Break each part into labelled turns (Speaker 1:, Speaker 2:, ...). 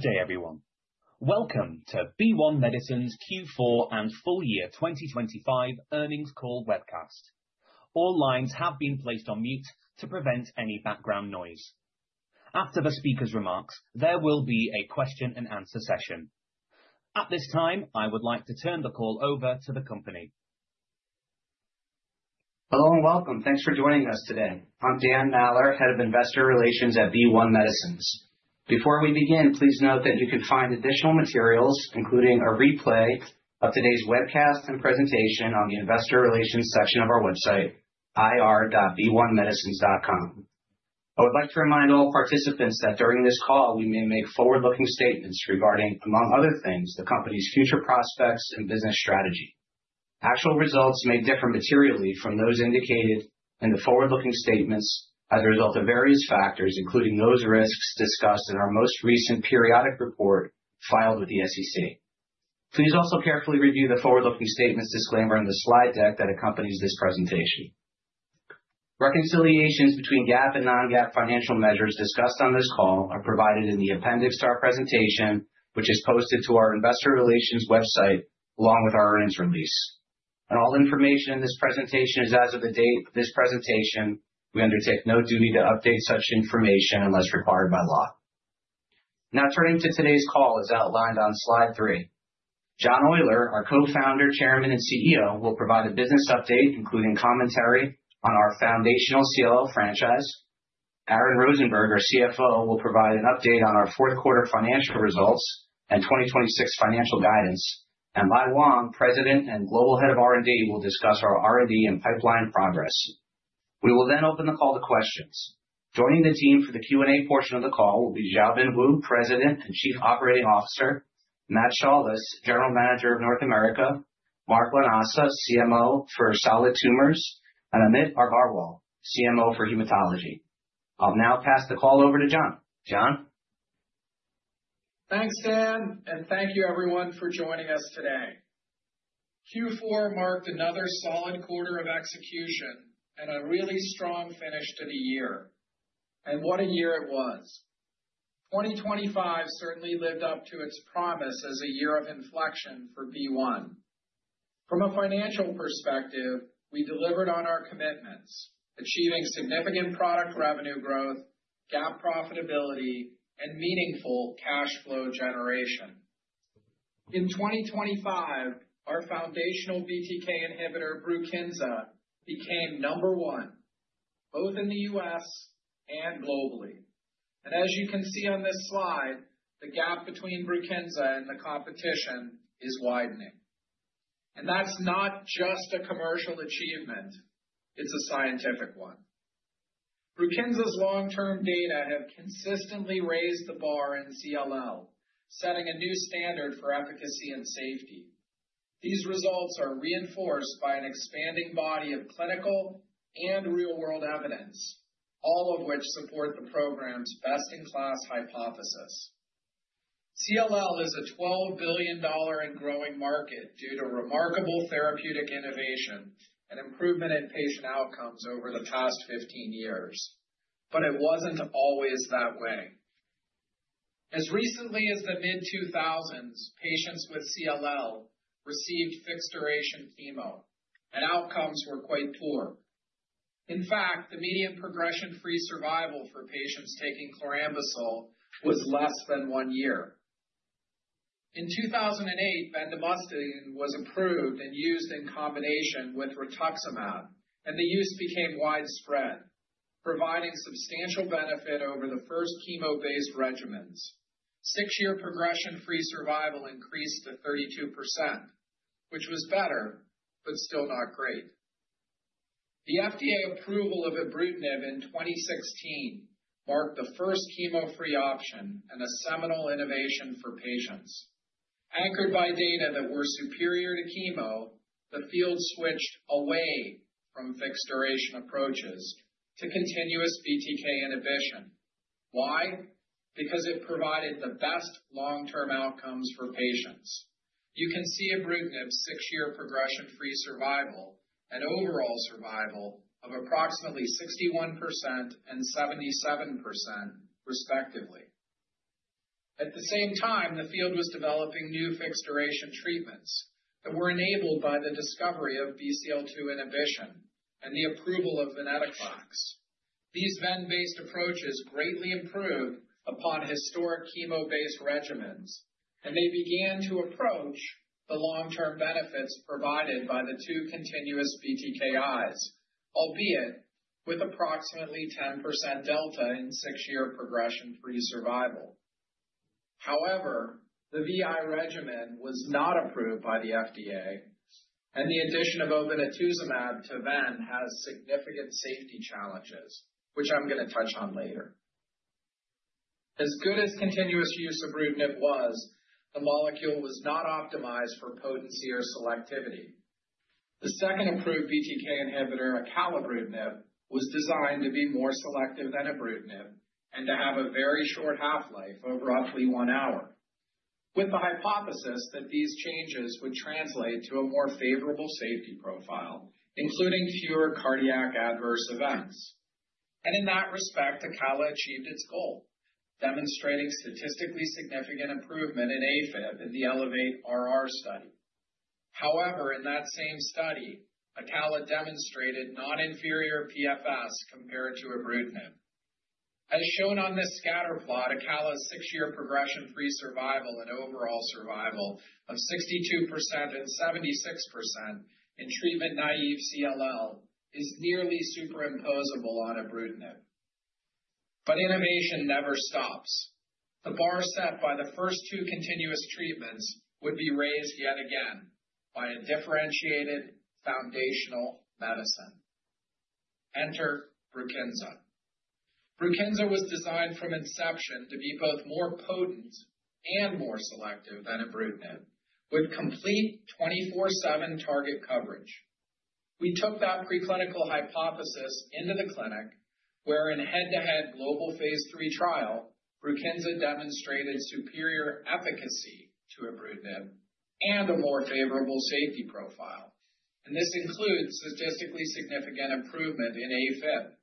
Speaker 1: Good day, everyone. Welcome to BeOne Medicines Q4 and full year 2025 earnings call webcast. All lines have been placed on mute to prevent any background noise. After the speaker's remarks, there will be a question and answer session. At this time, I would like to turn the call over to the company.
Speaker 2: Hello and welcome. Thanks for joining us today. I'm Dan Maller, Head of Investor Relations at BeOne Medicines. Before we begin, please note that you can find additional materials, including a replay of today's webcast and presentation on the investor relations section of our website, ir.beonemedicines.com. I would like to remind all participants that during this call, we may make forward-looking statements regarding, among other things, the company's future prospects and business strategy. Actual results may differ materially from those indicated in the forward-looking statements as a result of various factors, including those risks discussed in our most recent periodic report filed with the SEC. Please also carefully review the forward-looking statements disclaimer on the slide deck that accompanies this presentation. Reconciliations between GAAP and non-GAAP financial measures discussed on this call are provided in the appendix to our presentation, which is posted to our investor relations website, along with our earnings release. All information in this presentation is as of the date of this presentation. We undertake no duty to update such information unless required by law. Now, turning to today's call as outlined on slide 3. John Oyler, our Co-founder, Chairman, and CEO, will provide a business update, including commentary on our foundational CLL franchise. Aaron Rosenberg, our CFO, will provide an update on our fourth quarter financial results and 2026 financial guidance. Lai Wang, President and Global Head of R&D, will discuss our R&D and pipeline progress. We will then open the call to questions. Joining the team for the Q&A portion of the call will be Xiaobin Wu, President and Chief Operating Officer, Matt Shaulis, General Manager of North America, Mark Lanasa, CMO for Solid Tumors, and Amit Aggarwal, CMO for Hematology. I'll now pass the call over to John. John?
Speaker 3: Thanks, Dan, thank you everyone for joining us today. Q4 marked another solid quarter of execution and a really strong finish to the year. What a year it was! 2025 certainly lived up to its promise as a year of inflection for BeOne. From a financial perspective, we delivered on our commitments, achieving significant product revenue growth, GAAP profitability, and meaningful cash flow generation. In 2025, our foundational BTK inhibitor, BRUKINSA, became number 1, both in the U.S. and globally. As you can see on this slide, the gap between BRUKINSA and the competition is widening. That's not just a commercial achievement, it's a scientific one. BRUKINSA's long-term data have consistently raised the bar in CLL, setting a new standard for efficacy and safety. These results are reinforced by an expanding body of clinical and real-world evidence, all of which support the program's best-in-class hypothesis. CLL is a $12 billion and growing market due to remarkable therapeutic innovation and improvement in patient outcomes over the past 15 years. It wasn't always that way. As recently as the mid-2000s, patients with CLL received fixed-duration chemo, and outcomes were quite poor. In fact, the median progression-free survival for patients taking chlorambucil was less than 1 year. In 2008, bendamustine was approved and used in combination with rituximab, and the use became widespread, providing substantial benefit over the first chemo-based regimens. 6-year progression-free survival increased to 32%, which was better, but still not great. The FDA approval of ibrutinib in 2016 marked the first chemo-free option and a seminal innovation for patients. Anchored by data that were superior to chemo, the field switched away from fixed-duration approaches to continuous BTK inhibition. Why? It provided the best long-term outcomes for patients. You can see ibrutinib's 6-year progression-free survival and overall survival of approximately 61% and 77%, respectively. At the same time, the field was developing new fixed-duration treatments that were enabled by the discovery of BCL2 inhibition and the approval of Venetoclax. These Ven-based approaches greatly improved upon historic chemo-based regimens. They began to approach the long-term benefits provided by the two continuous BTKi's, albeit with approximately 10% delta in 6-year progression-free survival. The VI regimen was not approved by the FDA. The addition of obinutuzumab to Ven has significant safety challenges, which I'm going to touch on later. As good as continuous use ibrutinib was, the molecule was not optimized for potency or selectivity. The second approved BTK inhibitor, acalabrutinib, was designed to be more selective than ibrutinib and to have a very short half-life of roughly 1 hour. In that respect, Acala achieved its goal, demonstrating statistically significant improvement in AFib in the ELEVATE-RR study. However, in that same study, Acala demonstrated non-inferior PFS compared to ibrutinib. As shown on this scatter plot, Acala's 6-year progression-free survival and overall survival of 62% and 76% in treatment-naïve CLL is nearly superimposable on ibrutinib. Innovation never stops. The bar set by the first two continuous treatments would be raised yet again by a differentiated foundational medicine. Enter BRUKINSA. BRUKINSA was designed from inception to be both more potent and more selective than ibrutinib, with complete 24/7 target coverage. We took that preclinical hypothesis into the clinic, where in head-to-head global Phase III trial, BRUKINSA demonstrated superior efficacy to ibrutinib and a more favorable safety profile. This includes statistically significant improvement in AFib.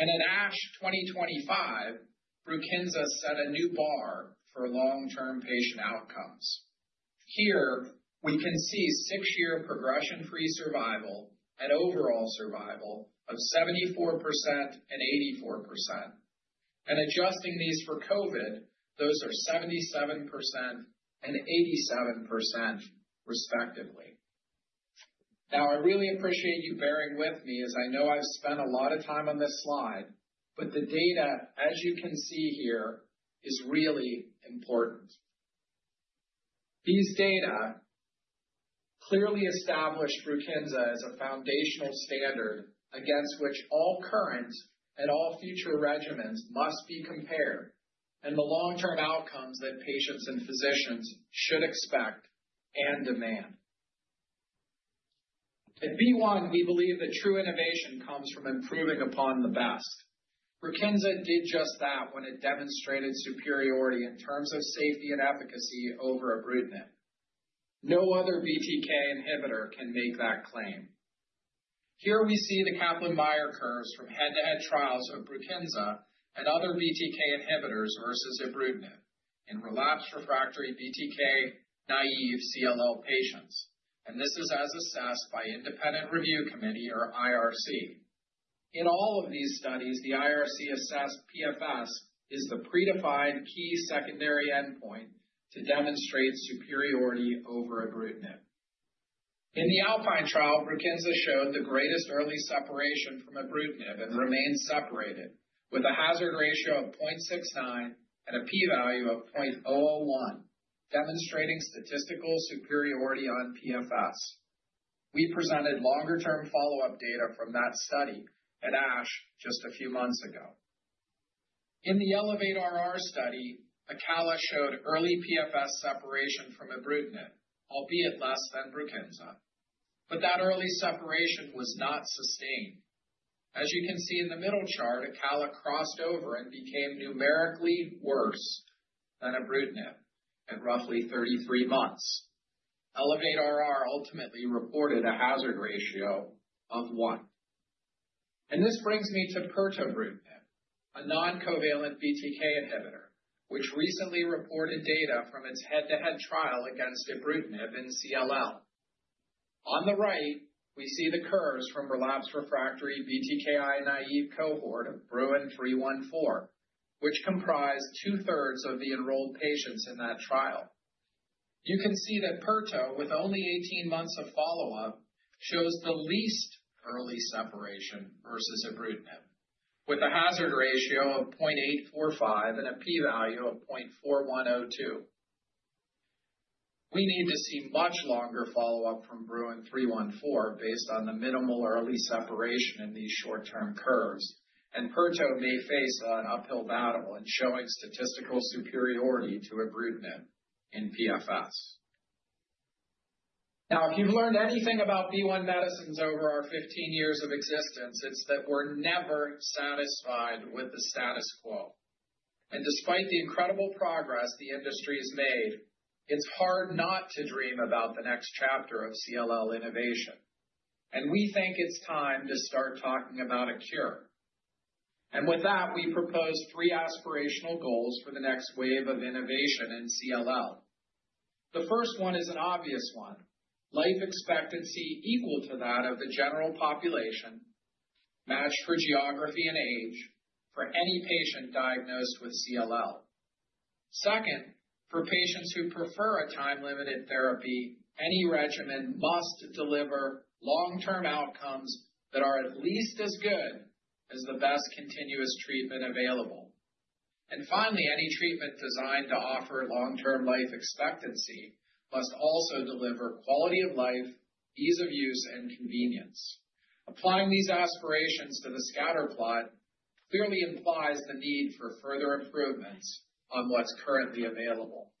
Speaker 3: In ASH 2025, BRUKINSA set a new bar for long-term patient outcomes. Here we can see six-year progression-free survival and overall survival of 74% and 84%. Adjusting these for COVID, those are 77% and 87%, respectively. I really appreciate you bearing with me, as I know I've spent a lot of time on this slide, but the data, as you can see here, is really important. These data clearly establish BRUKINSA as a foundational standard against which all current and all future regimens must be compared, and the long-term outcomes that patients and physicians should expect and demand. At BeOne, we believe that true innovation comes from improving upon the best. BRUKINSA did just that when it demonstrated superiority in terms of safety and efficacy over ibrutinib. No other BTK inhibitor can make that claim. Here we see the Kaplan-Meier curves from head-to-head trials of BRUKINSA and other BTK inhibitors versus ibrutinib in relapsed refractory BTK, naive CLL patients, and this is as assessed by Independent Review Committee, or IRC. In all of these studies, the IRC-assessed PFS is the predefined key secondary endpoint to demonstrate superiority over ibrutinib. In the ALPINE trial, BRUKINSA showed the greatest early separation from ibrutinib and remains separated with a hazard ratio of 0.69 and a P value of 0.001, demonstrating statistical superiority on PFS. We presented longer-term follow-up data from that study at ASH just a few months ago. In the ELEVATE-RR study, Acala showed early PFS separation from Ibrutinib, albeit less than BRUKINSA, but that early separation was not sustained. As you can see in the middle chart, Acala crossed over and became numerically worse than Ibrutinib at roughly 33 months. ELEVATE-RR ultimately reported a hazard ratio of one. This brings me to pirtobrutinib, a non-covalent BTK inhibitor, which recently reported data from its head-to-head trial against Ibrutinib in CLL. On the right, we see the curves from relapsed refractory BTKi naive cohort of BRUIN CLL-314, which comprised two-thirds of the enrolled patients in that trial. You can see that Perto, with only 18 months of follow-up, shows the least early separation versus Ibrutinib, with a hazard ratio of 0.845 and a P value of 0.412. We need to see much longer follow-up from BRUIN CLL-314 based on the minimal early separation in these short-term curves. Perto may face an uphill battle in showing statistical superiority to ibrutinib in PFS. If you've learned anything about BeOne Medicines over our 15 years of existence, it's that we're never satisfied with the status quo. Despite the incredible progress the industry has made, it's hard not to dream about the next chapter of CLL innovation. We think it's time to start talking about a cure. With that, we propose three aspirational goals for the next wave of innovation in CLL. The first one is an obvious one: life expectancy equal to that of the general population, matched for geography and age, for any patient diagnosed with CLL. Second, for patients who prefer a time-limited therapy, any regimen must deliver long-term outcomes that are at least as good as the best continuous treatment available. Finally, any treatment designed to offer long-term life expectancy must also deliver quality of life, ease of use, and convenience. Applying these aspirations to the scatter plot clearly implies the need for further improvements on what's currently available.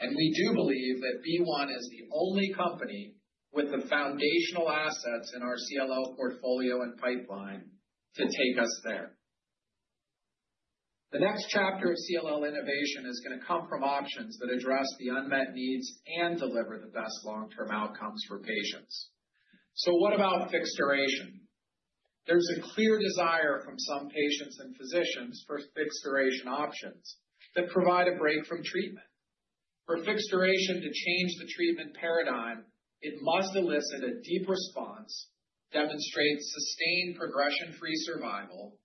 Speaker 3: We do believe that BeOne is the only company with the foundational assets in our CLL portfolio and pipeline to take us there. The next chapter of CLL innovation is going to come from options that address the unmet needs and deliver the best long-term outcomes for patients. What about fixed duration? There's a clear desire from some patients and physicians for fixed duration options that provide a break from treatment. For fixed duration to change the treatment paradigm, it must elicit a deep response, demonstrate sustained progression-free survival,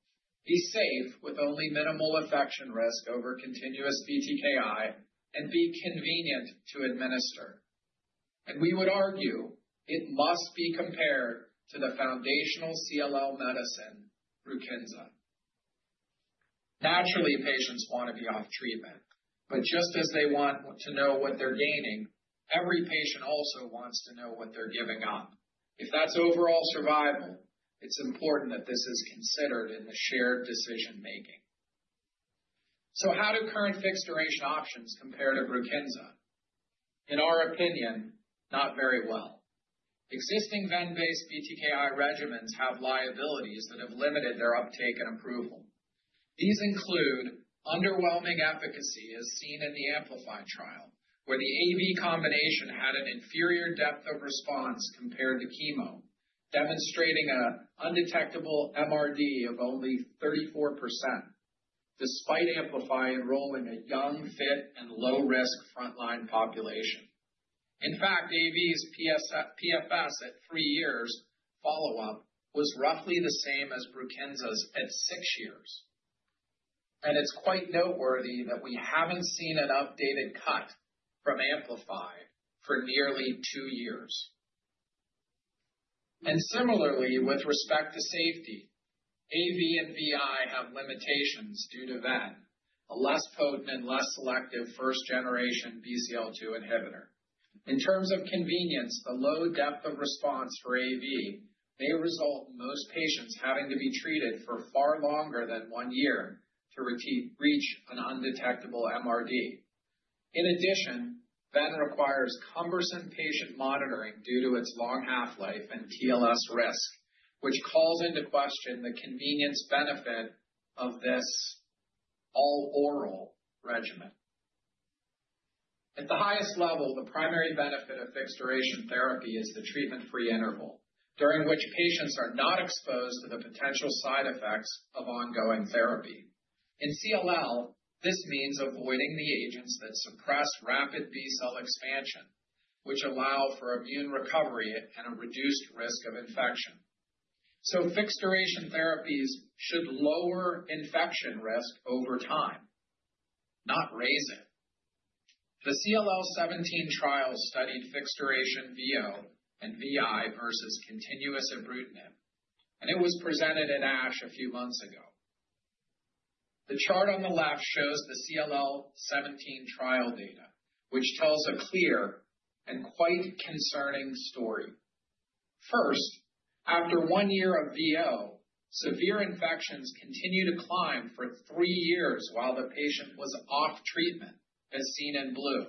Speaker 3: be safe with only minimal infection risk over continuous BTKi, and be convenient to administer. We would argue it must be compared to the foundational CLL medicine, BRUKINSA. Naturally, patients want to be off treatment, but just as they want to know what they're gaining, every patient also wants to know what they're giving up. If that's overall survival, it's important that this is considered in the shared decision-making. How do current fixed duration options compare to BRUKINSA? In our opinion, not very well. Existing ven-based BTKi regimens have liabilities that have limited their uptake and approval. These include underwhelming efficacy, as seen in the AMPLIFY trial, where the AV combination had an inferior depth of response compared to chemo, demonstrating an undetectable MRD of only 34%, despite AMPLIFY enrolling a young, fit, and low-risk frontline population. In fact, AV's PFS at 3 years follow-up was roughly the same as BRUKINSA's at 6 years. It's quite noteworthy that we haven't seen an updated cut from AMPLIFY for nearly 2 years. Similarly, with respect to safety, AV and VI have limitations due to venetoclax, a less potent and less selective first-generation BCL2 inhibitor. In terms of convenience, the low depth of response for AV may result in most patients having to be treated for far longer than 1 year to reach an undetectable MRD. In addition, Ven requires cumbersome patient monitoring due to its long half-life and TLS risk, which calls into question the convenience benefit of this all-oral regimen. At the highest level, the primary benefit of fixed duration therapy is the treatment-free interval, during which patients are not exposed to the potential side effects of ongoing therapy. In CLL, this means avoiding the agents that suppress rapid B-cell expansion, which allow for immune recovery and a reduced risk of infection. Fixed duration therapies should lower infection risk over time, not raise it. The CLL17 trial studied fixed duration VO and VI versus continuous ibrutinib, and it was presented at ASH a few months ago. The chart on the left shows the CLL17 trial data, which tells a clear and quite concerning story. First, after one year of VO, severe infections continued to climb for three years while the patient was off treatment, as seen in blue.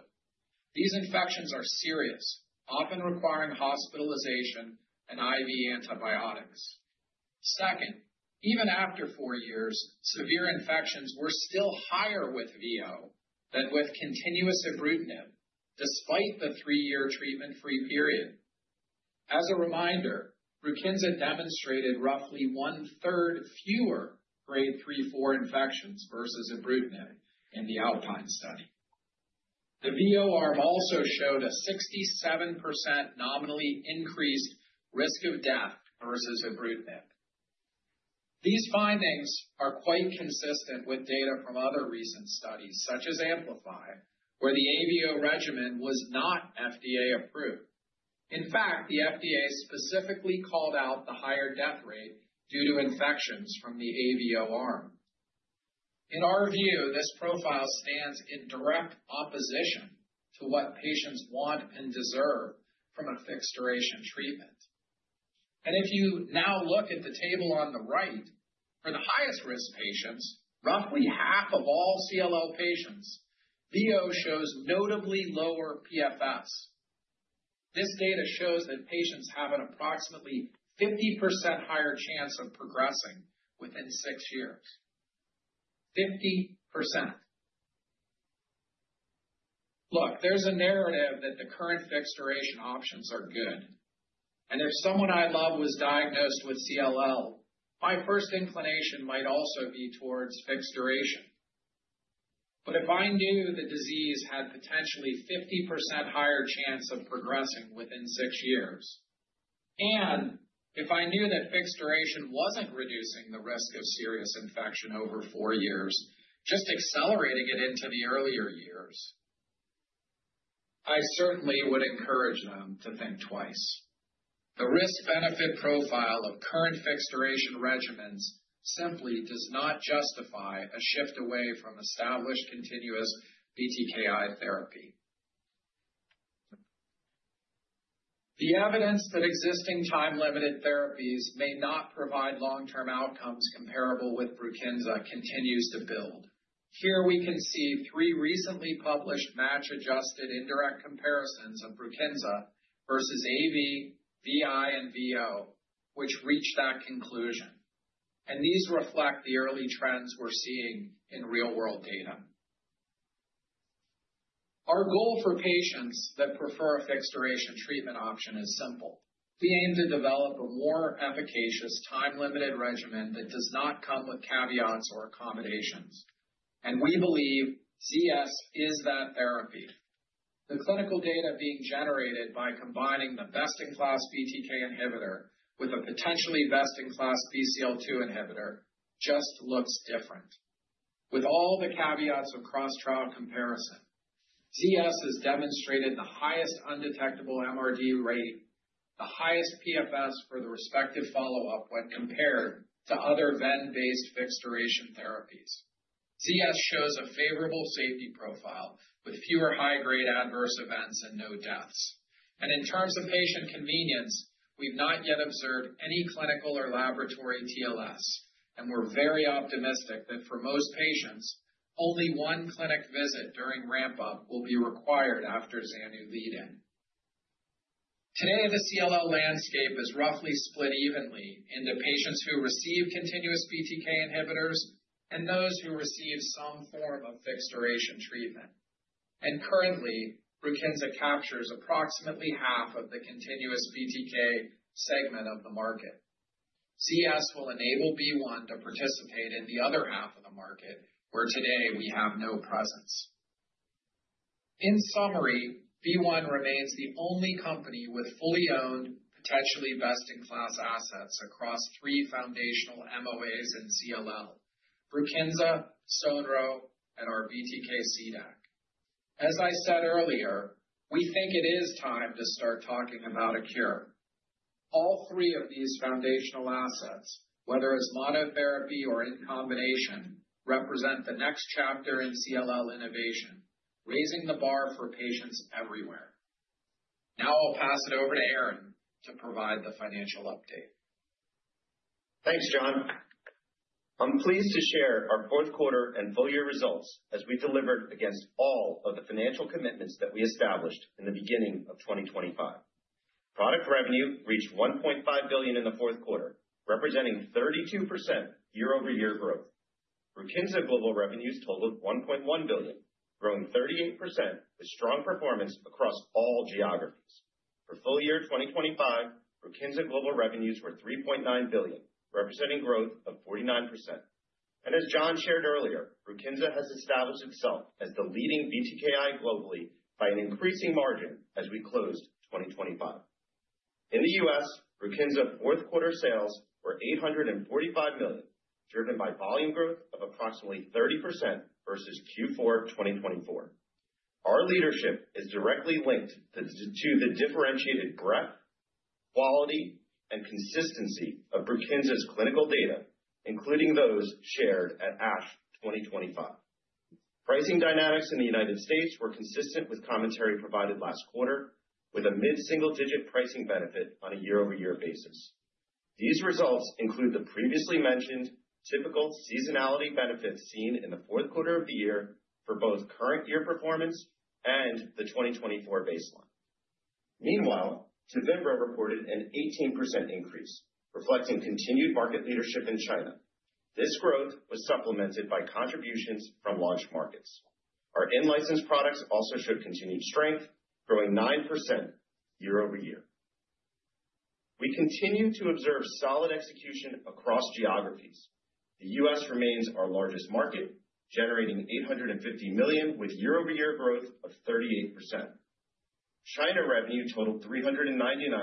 Speaker 3: These infections are serious, often requiring hospitalization and IV antibiotics. Second, even after four years, severe infections were still higher with VO than with continuous ibrutinib, despite the three-year treatment-free period. As a reminder, BRUKINSA demonstrated roughly one-third fewer grade 3, 4 infections versus ibrutinib in the ALPINE study. The VO arm also showed a 67% nominally increased risk of death versus ibrutinib. These findings are quite consistent with data from other recent studies, such as AMPLIFY, where the AVO regimen was not FDA-approved. In fact, the FDA specifically called out the higher death rate due to infections from the AVO arm. In our view, this profile stands in direct opposition to what patients want and deserve from a fixed duration treatment. If you now look at the table on the right, for the highest-risk patients, roughly half of all CLL patients, VO shows notably lower PFS. This data shows that patients have an approximately 50% higher chance of progressing within 6 years. 50%! Look, there's a narrative that the current fixed duration options are good, and if someone I love was diagnosed with CLL, my first inclination might also be towards fixed duration. If I knew the disease had potentially 50% higher chance of progressing within 6 years, and if I knew that fixed duration wasn't reducing the risk of serious infection over 4 years, just accelerating it into the earlier years, I certainly would encourage them to think twice. The risk-benefit profile of current fixed duration regimens simply does not justify a shift away from established continuous BTKI therapy. The evidence that existing time-limited therapies may not provide long-term outcomes comparable with BRUKINSA continues to build. Here we can see 3 recently published match-adjusted indirect comparisons of BRUKINSA versus AV, VI, and VO, which reach that conclusion. These reflect the early trends we're seeing in real-world data. Our goal for patients that prefer a fixed-duration treatment option is simple: we aim to develop a more efficacious, time-limited regimen that does not come with caveats or accommodations. We believe ZS is that therapy. The clinical data being generated by combining the best-in-class BTK inhibitor with a potentially best-in-class BCL2 inhibitor just looks different. With all the caveats of cross-trial comparison, ZS has demonstrated the highest undetectable MRD rate, the highest PFS for the respective follow-up when compared to other ven-based fixed-duration therapies. ZS shows a favorable safety profile with fewer high-grade adverse events and no deaths. In terms of patient convenience, we've not yet observed any clinical or laboratory TLS, and we're very optimistic that for most patients, only one clinic visit during ramp-up will be required after zanu lead-in. Today, the CLL landscape is roughly split evenly into patients who receive continuous BTK inhibitors and those who receive some form of fixed-duration treatment. Currently, BRUKINSA captures approximately half of the continuous BTK segment of the market. ZS will enable BeOne to participate in the other half of the market, where today we have no presence. In summary, BeOne remains the only company with fully owned, potentially best-in-class assets across three foundational MOAs and CLL, BRUKINSA, sonrotoclax, and our BTK CDAC. As I said earlier, we think it is time to start talking about a cure. All three of these foundational assets, whether as monotherapy or in combination, represent the next chapter in CLL innovation, raising the bar for patients everywhere. I'll pass it over to Aaron to provide the financial update.
Speaker 4: Thanks, John. I'm pleased to share our fourth quarter and full-year results as we delivered against all of the financial commitments that we established in the beginning of 2025. Product revenue reached $1.5 billion in the fourth quarter, representing 32% year-over-year growth. BRUKINSA global revenues totaled $1.1 billion, growing 38% with strong performance across all geographies. For full year 2025, BRUKINSA global revenues were $3.9 billion, representing growth of 49%. As John shared earlier, BRUKINSA has established itself as the leading BTKi globally by an increasing margin as we closed 2025. In the U.S., BRUKINSA fourth quarter sales were $845 million, driven by volume growth of approximately 30% versus Q4 2024. Our leadership is directly linked to the differentiated breadth, quality, and consistency of BRUKINSA's clinical data, including those shared at ASH 2025. Pricing dynamics in the United States were consistent with commentary provided last quarter, with a mid-single digit pricing benefit on a year-over-year basis. These results include the previously mentioned typical seasonality benefits seen in the fourth quarter of the year for both current year performance and the 2024 baseline. Meanwhile, TEVIMBRA reported an 18% increase, reflecting continued market leadership in China. This growth was supplemented by contributions from launch markets. Our in-licensed products also showed continued strength, growing 9% year-over-year. We continue to observe solid execution across geographies. The U.S. remains our largest market, generating $850 million, with year-over-year growth of 38%. China revenue totaled $399 million,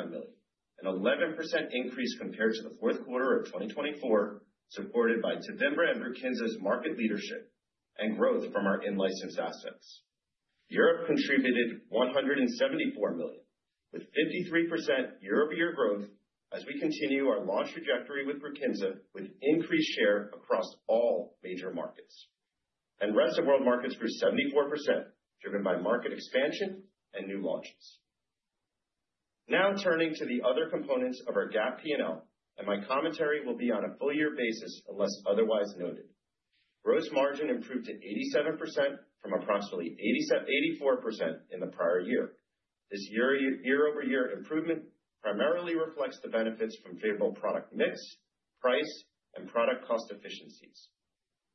Speaker 4: an 11% increase compared to the fourth quarter of 2024, supported by TEVIMBRA and BRUKINSA's market leadership and growth from our in-licensed assets. Europe contributed $174 million, with 53% year-over-year growth as we continue our launch trajectory with BRUKINSA, with increased share across all major markets. Rest of world markets grew 74%, driven by market expansion and new launches. Now, turning to the other components of our GAAP P&L, and my commentary will be on a full year basis, unless otherwise noted. Gross margin improved to 87% from approximately 84% in the prior year. This year-over-year improvement primarily reflects the benefits from favorable product mix, price, and product cost efficiencies.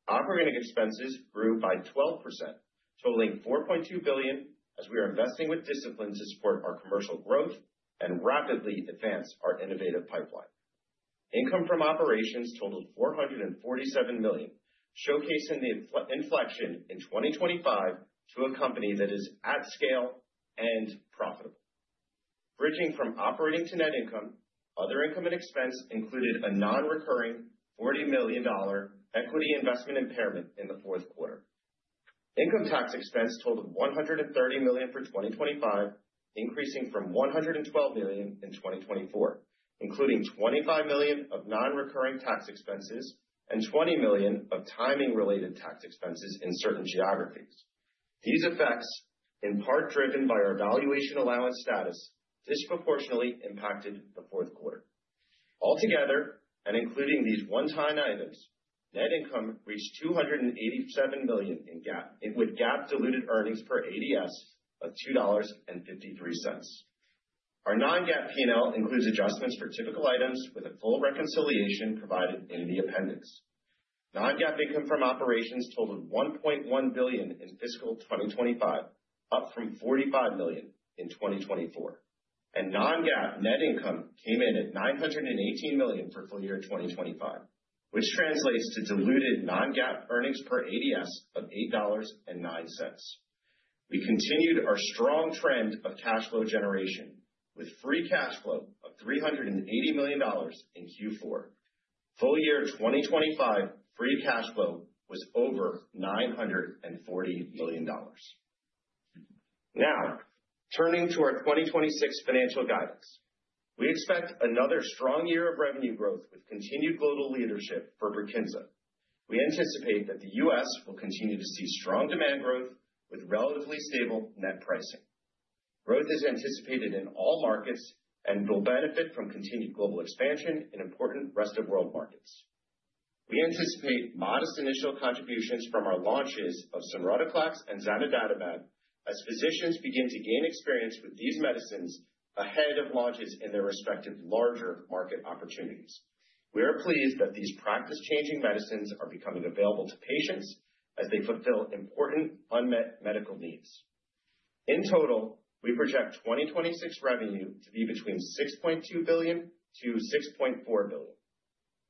Speaker 4: Operating expenses grew by 12%, totaling $4.2 billion, as we are investing with discipline to support our commercial growth and rapidly advance our innovative pipeline. Income from operations totaled $447 million, showcasing the inflection in 2025 to a company that is at scale and profitable. Bridging from operating to net income, other income and expense included a non-recurring $40 million equity investment impairment in the fourth quarter. Income tax expense totaled $130 million for 2025, increasing from $112 million in 2024, including $25 million of non-recurring tax expenses and $20 million of timing-related tax expenses in certain geographies. These effects, in part driven by our valuation allowance status, disproportionately impacted the fourth quarter. Altogether, and including these one-time items, net income reached $287 million in GAAP, with GAAP diluted earnings per ADS of $2.53. Our non-GAAP P&L includes adjustments for typical items with a full reconciliation provided in the appendix. Non-GAAP income from operations totaled $1.1 billion in fiscal 2025, up from $45 million in 2024. Non-GAAP net income came in at $918 million for full year 2025, which translates to diluted non-GAAP earnings per ADS of $8.09. We continued our strong trend of cash flow generation with free cash flow of $380 million in Q4. Full year 2025, free cash flow was over $940 million. Turning to our 2026 financial guidance. We expect another strong year of revenue growth with continued global leadership for BRUKINSA. We anticipate that the U.S. will continue to see strong demand growth with relatively stable net pricing. Growth is anticipated in all markets and will benefit from continued global expansion in important rest-of-world markets. We anticipate modest initial contributions from our launches of sonrotoclax and zanidatamab as physicians begin to gain experience with these medicines ahead of launches in their respective larger market opportunities. We are pleased that these practice-changing medicines are becoming available to patients as they fulfill important unmet medical needs. In total, we project 2026 revenue to be between $6.2 billion-$6.4 billion.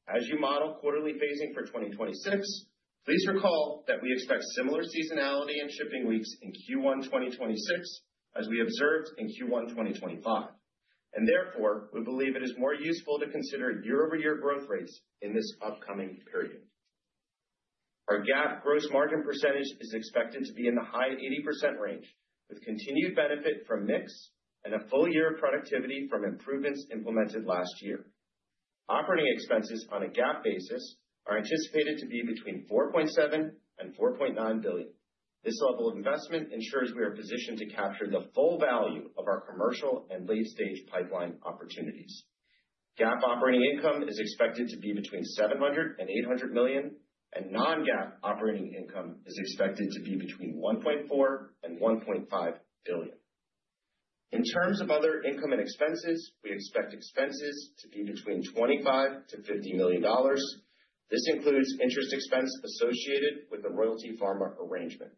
Speaker 4: As you model quarterly phasing for 2026, please recall that we expect similar seasonality and shipping weeks in Q1 2026, as we observed in Q1 2025. Therefore, we believe it is more useful to consider year-over-year growth rates in this upcoming period. Our GAAP gross margin percentage is expected to be in the high 80% range, with continued benefit from mix and a full year of productivity from improvements implemented last year. Operating expenses on a GAAP basis are anticipated to be between $4.7 billion and $4.9 billion. This level of investment ensures we are positioned to capture the full value of our commercial and late-stage pipeline opportunities. GAAP operating income is expected to be between $700 million and $800 million, and non-GAAP operating income is expected to be between $1.4 billion and $1.5 billion. In terms of other income and expenses, we expect expenses to be between $25 million-$50 million. This includes interest expense associated with the Royalty Pharma arrangement.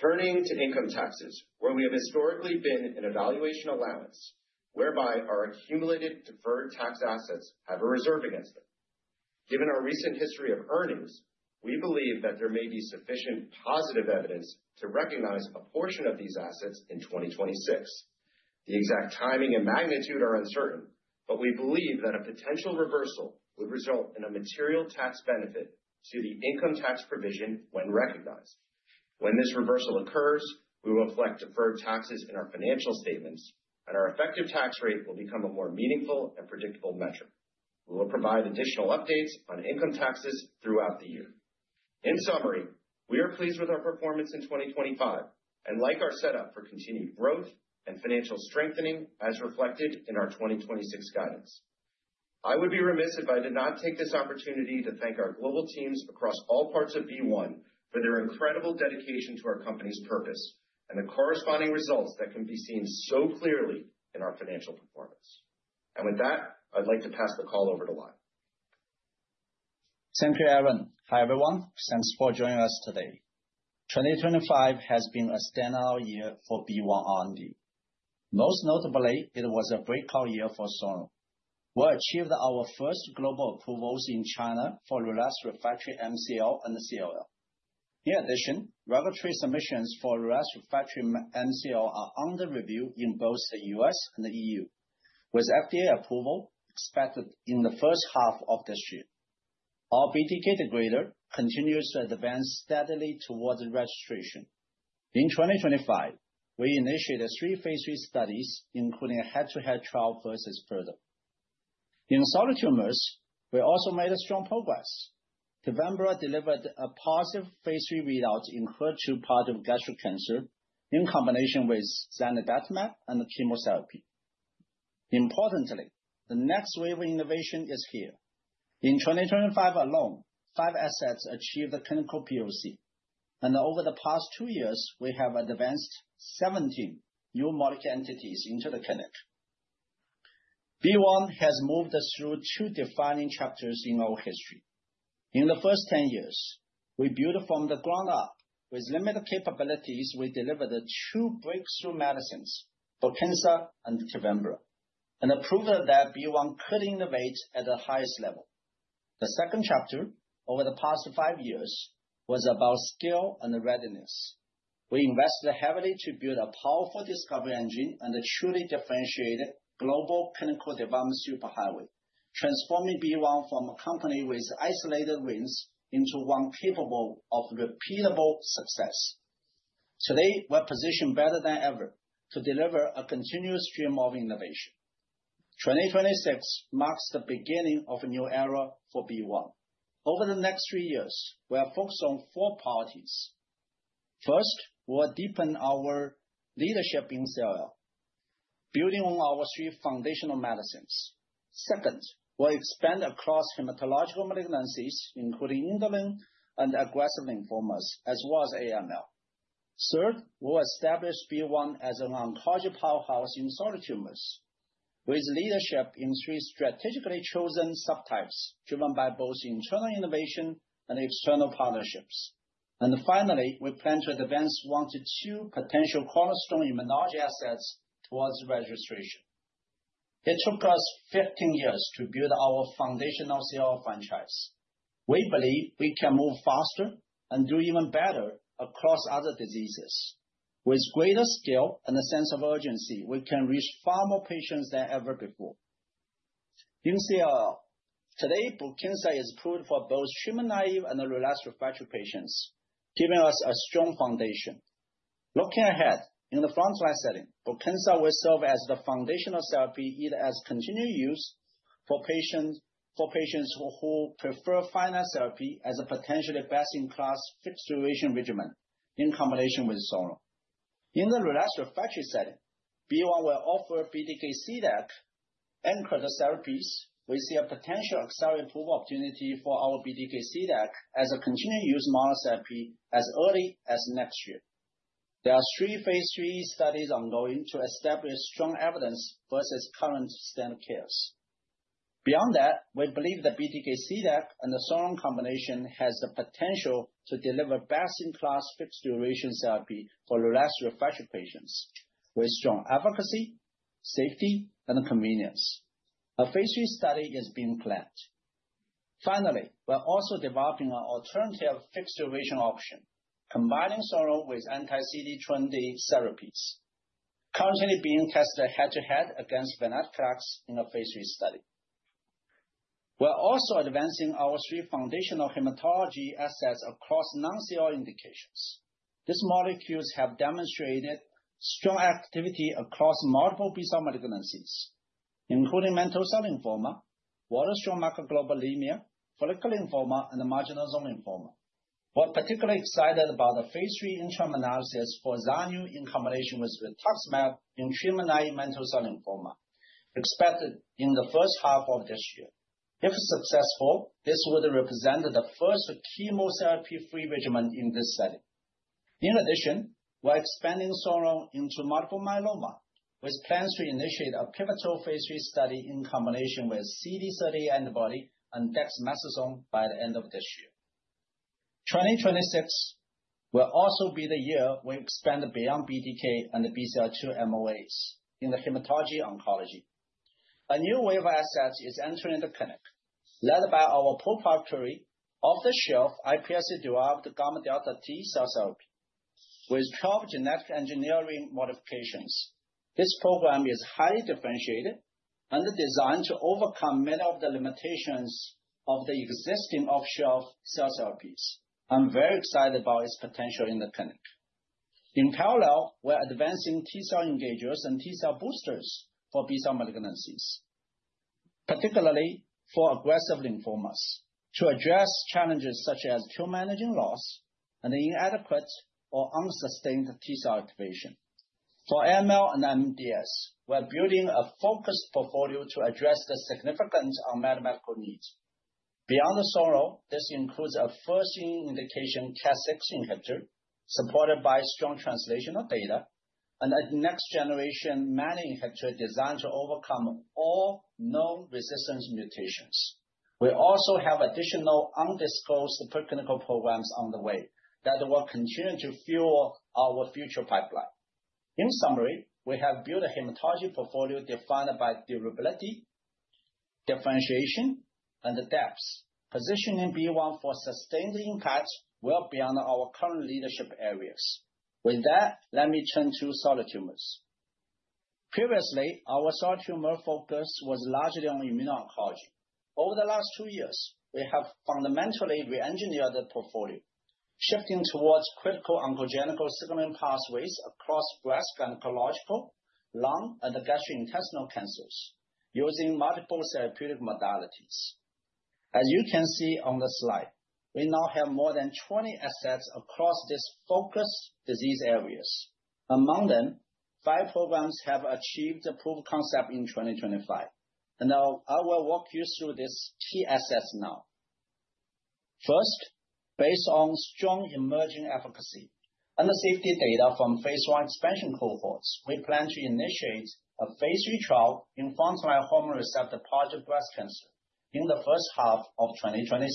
Speaker 4: Turning to income taxes, where we have historically been an evaluation allowance, whereby our accumulated deferred tax assets have a reserve against them. Given our recent history of earnings, we believe that there may be sufficient positive evidence to recognize a portion of these assets in 2026. The exact timing and magnitude are uncertain, but we believe that a potential reversal would result in a material tax benefit to the income tax provision when recognized. When this reversal occurs, we will reflect deferred taxes in our financial statements, and our effective tax rate will become a more meaningful and predictable metric. We will provide additional updates on income taxes throughout the year. In summary, we are pleased with our performance in 2025 and like our setup for continued growth and financial strengthening as reflected in our 2026 guidance. I would be remiss if I did not take this opportunity to thank our global teams across all parts of BeOne for their incredible dedication to our company's purpose, and the corresponding results that can be seen so clearly in our financial performance. With that, I'd like to pass the call over to Lai.
Speaker 5: Thank you, Aaron. Hi, everyone. Thanks for joining us today. 2025 has been a standout year for BeOne R&D. Most notably, it was a breakout year for Sonro. We achieved our first global approvals in China for relapsed refractory MCL and CLL. In addition, regulatory submissions for relapsed refractory MCL are under review in both the U.S. and the E.U., with FDA approval expected in the first half of this year. Our BTK degrader continues to advance steadily towards registration. In 2025, we initiated three Phase III studies, including a head-to-head trial versus CALQUENCE. In solid tumors, we also made strong progress. TEVIMBRA delivered a positive Phase III readout in HER2-positive gastric cancer in combination with zanidatamab and chemotherapy. The next wave of innovation is here. In 2025 alone, 5 assets achieved the clinical POC, and over the past 2 years, we have advanced 17 new molecule entities into the clinic. BeOne has moved us through 2 defining chapters in our history. In the first 10 years, we built from the ground up. With limited capabilities, we delivered the 2 breakthrough medicines, BRUKINSA and TEVIMBRA, and a proof that BeOne could innovate at the highest level. The second chapter, over the past 5 years, was about scale and readiness. We invested heavily to build a powerful discovery engine and a truly differentiated global clinical development superhighway, transforming BeOne from a company with isolated wins into one capable of repeatable success. Today, we're positioned better than ever to deliver a continuous stream of innovation. 2026 marks the beginning of a new era for BeOne. Over the next 3 years, we are focused on 4 priorities.... First, we'll deepen our leadership in CLL, building on our three foundational medicines. Second, we'll expand across hematological malignancies, including indolent and aggressive lymphomas, as well as AML. Third, we'll establish BeOne as an oncology powerhouse in solid tumors, with leadership in three strategically chosen subtypes, driven by both internal innovation and external partnerships. Finally, we plan to advance one to two potential cornerstone immunology assets towards registration. It took us 15 years to build our foundational CLL franchise. We believe we can move faster and do even better across other diseases. With greater scale and a sense of urgency, we can reach far more patients than ever before. In CLL, today, BRUKINSA is approved for both treatment-naive and relapsed/refractory patients, giving us a strong foundation. Looking ahead, in the frontline setting, BRUKINSA will serve as the foundational therapy, either as continued use for patients who prefer finer therapy as a potentially best-in-class fixed-duration regimen in combination with solo. In the relapsed/refractory setting, BeOne will offer BTK CDAC and other therapies. We see a potential accelerated approval opportunity for our BTK CDAC as a continuing use monotherapy as early as next year. There are three Phase III studies ongoing to establish strong evidence versus current standard cares. Beyond that, we believe the BTK CDAC and the solo combination has the potential to deliver best-in-class fixed-duration therapy for relapsed/refractory patients with strong efficacy, safety, and convenience. A Phase III study is being planned. We're also developing an alternative fixed-duration option, combining solo with anti-CD20 therapies, currently being tested head-to-head against venetoclax in a Phase III study. We're also advancing our three foundational hematology assets across non-CLL indications. These molecules have demonstrated strong activity across multiple B-cell malignancies, including mantle cell lymphoma, Waldenström macroglobulinemia, follicular lymphoma, and marginal zone lymphoma. We're particularly excited about the Phase III interim analysis for zanu in combination with rituximab in treatment-naive mantle cell lymphoma, expected in the first half of this year. If successful, this would represent the first chemotherapy-free regimen in this setting. We're expanding Solo into multiple myeloma, with plans to initiate a pivotal Phase III study in combination with CD38 antibody and dexamethasone by the end of this year. 2026 will also be the year we expand beyond BTK and the BCL2 MOAs in the hematology oncology. A new wave of assets is entering the clinic, led by our proprietary off-the-shelf iPSC-derived gamma delta T-cell therapy, with 12 genetic engineering modifications. This program is highly differentiated and designed to overcome many of the limitations of the existing off-the-shelf cell therapies. I'm very excited about its potential in the clinic. In parallel, we're advancing T-cell engagers and T-cell boosters for B-cell malignancies, particularly for aggressive lymphomas, to address challenges such as kill managing loss and inadequate or unsustained T-cell activation. For AML and MDS, we're building a focused portfolio to address the significant unmet medical needs. Beyond the SOLO, this includes a first-in-indication caspase inhibitor, supported by strong translational data, and a next-generation menin inhibitor designed to overcome all known resistance mutations. We also have additional undisclosed preclinical programs on the way that will continue to fuel our future pipeline. In summary, we have built a hematology portfolio defined by durability, differentiation, and depth, positioning BeOne for sustained impact well beyond our current leadership areas. With that, let me turn to solid tumors. Previously, our solid tumor focus was largely on immuno-oncology. Over the last two years, we have fundamentally reengineered the portfolio, shifting towards critical oncogenical signaling pathways across breast, gynecological, lung, and gastrointestinal cancers, using multiple therapeutic modalities. As you can see on the slide, we now have more than 20 assets across these focus disease areas. Among them, 5 programs have achieved the proof of concept in 2025, and I will walk you through these key assets now. First, based on strong emerging efficacy and the safety data from Phase I expansion cohorts, we plan to initiate a Phase III trial in front-line hormone receptor-positive breast cancer in the first half of 2026.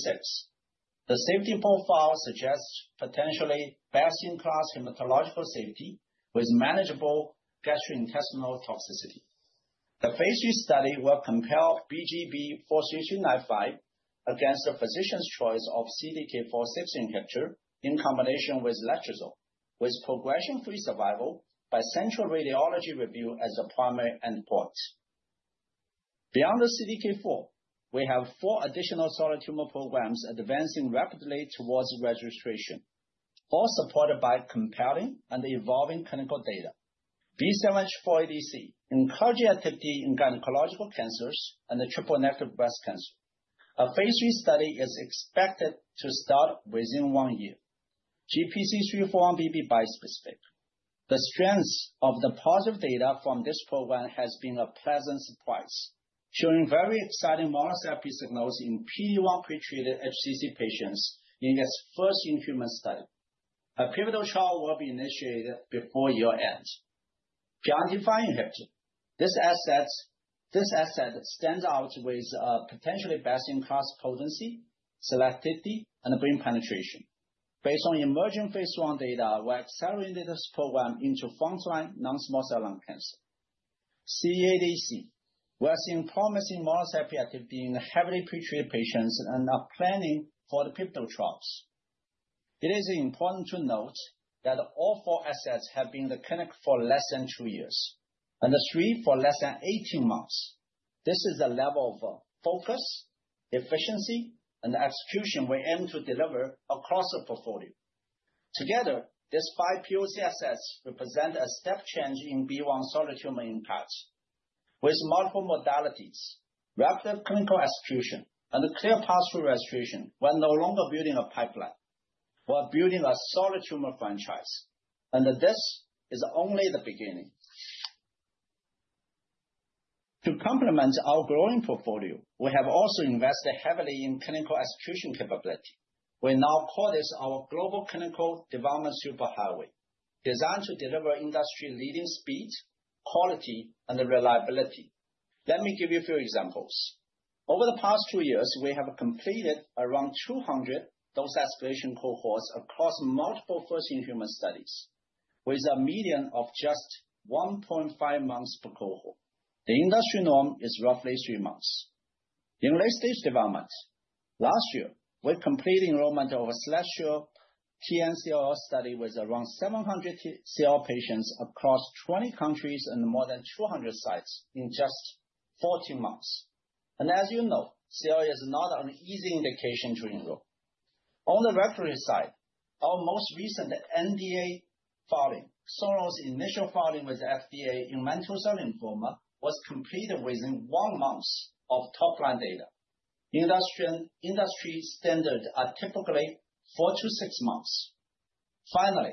Speaker 5: The safety profile suggests potentially best-in-class hematological safety with manageable gastrointestinal toxicity. The Phase III study will compare BGB-43395 against the physician's choice of CDK4/6 inhibitor in combination with letrozole, with progression-free survival by central radiology review as the primary endpoint. Beyond the CDK4, we have 4 additional solid tumor programs advancing rapidly towards registration, all supported by compelling and evolving clinical data. B7-H4 ADC, encouraging activity in gynecological cancers and the triple-negative breast cancer. A Phase II study is expected to start within 1 year. GPC3x4-1BB bispecific. The strength of the positive data from this program has been a pleasant surprise, showing very exciting monotherapy signals in P1 pre-treated HCC patients in its first in-human study. A pivotal trial will be initiated before year-end. Beyond PI3K inhibitor, this asset stands out with potentially best-in-class potency, selectivity, and brain penetration. Based on emerging Phase I data, we're accelerating this program into frontline non-small cell lung cancer. CDAC. We're seeing promising monotherapy activity in heavily pre-treated patients and are planning for the pivotal trials. It is important to note that all 4 assets have been in the clinic for less than 2 years, and the 3 for less than 18 months. This is a level of focus, efficiency, and execution we aim to deliver across the portfolio. Together, these 5 POC assets represent a step change in BeOne solid tumor impacts. With multiple modalities, rapid clinical execution, and a clear path to restoration, we're no longer building a pipeline, we're building a solid tumor franchise, and this is only the beginning. To complement our growing portfolio, we have also invested heavily in clinical execution capability. We now call this our global clinical development superhighway, designed to deliver industry-leading speed, quality, and reliability. Let me give you a few examples. Over the past two years, we have completed around 200 dose escalation cohorts across multiple first in human studies, with a median of just 1.5 months per cohort. The industry norm is roughly three months. In late-stage development, last year, we completed enrollment of a select show PNCL study with around 700 CLL patients across 20 countries and more than 200 sites in just 14 months. As you know, CLL is not an easy indication to enroll. On the regulatory side, our most recent NDA filing, sonrotoclax's initial filing with FDA in mantle cell lymphoma, was completed within one month of top-line data. Industry standard are typically 4-6 months. Finally,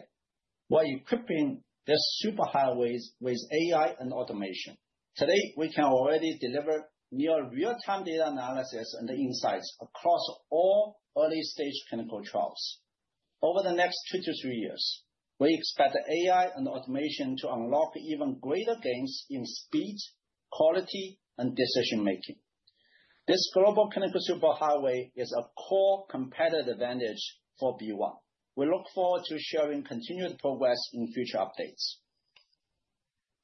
Speaker 5: we're equipping the super highways with AI and automation. Today, we can already deliver near real-time data analysis and insights across all early-stage clinical trials. Over the next 2-3 years, we expect AI and automation to unlock even greater gains in speed, quality, and decision-making. This global clinical superhighway is a core competitive advantage for BeOne. We look forward to sharing continued progress in future updates.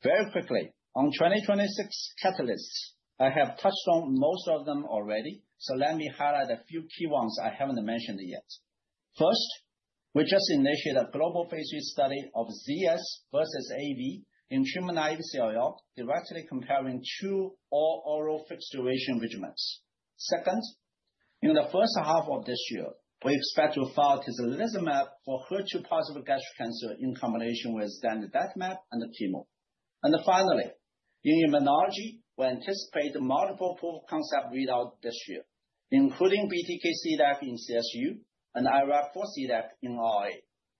Speaker 5: Very quickly, on 2026 catalysts, I have touched on most of them already, so let me highlight a few key ones I haven't mentioned yet. First, we just initiated a global Phase III study of ZS versus AV in human IVCLL, directly comparing two all-oral fixed duration regimens. Second, in the first half of this year, we expect to file tislelizumab for HER2-positive gastric cancer in combination with standard datmap and the chemo. Finally, in immunology, we anticipate multiple proof of concept readouts this year, including BTK CDAC in CSU and IRF4 CDAC in OA.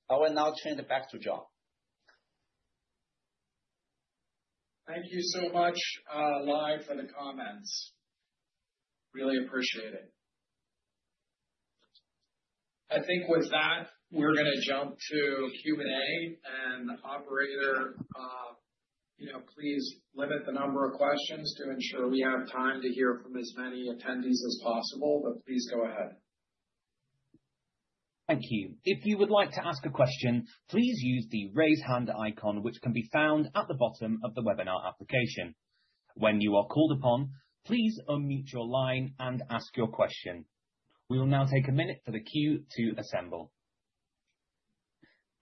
Speaker 5: I will now turn it back to John.
Speaker 3: Thank you so much, Lai, for the comments. Really appreciate it. I think with that, we're gonna jump to Q&A. Operator, you know, please limit the number of questions to ensure we have time to hear from as many attendees as possible, but please go ahead.
Speaker 1: Thank you. If you would like to ask a question, please use the raise hand icon, which can be found at the bottom of the webinar application. When you are called upon, please unmute your line and ask your question. We will now take a minute for the queue to assemble.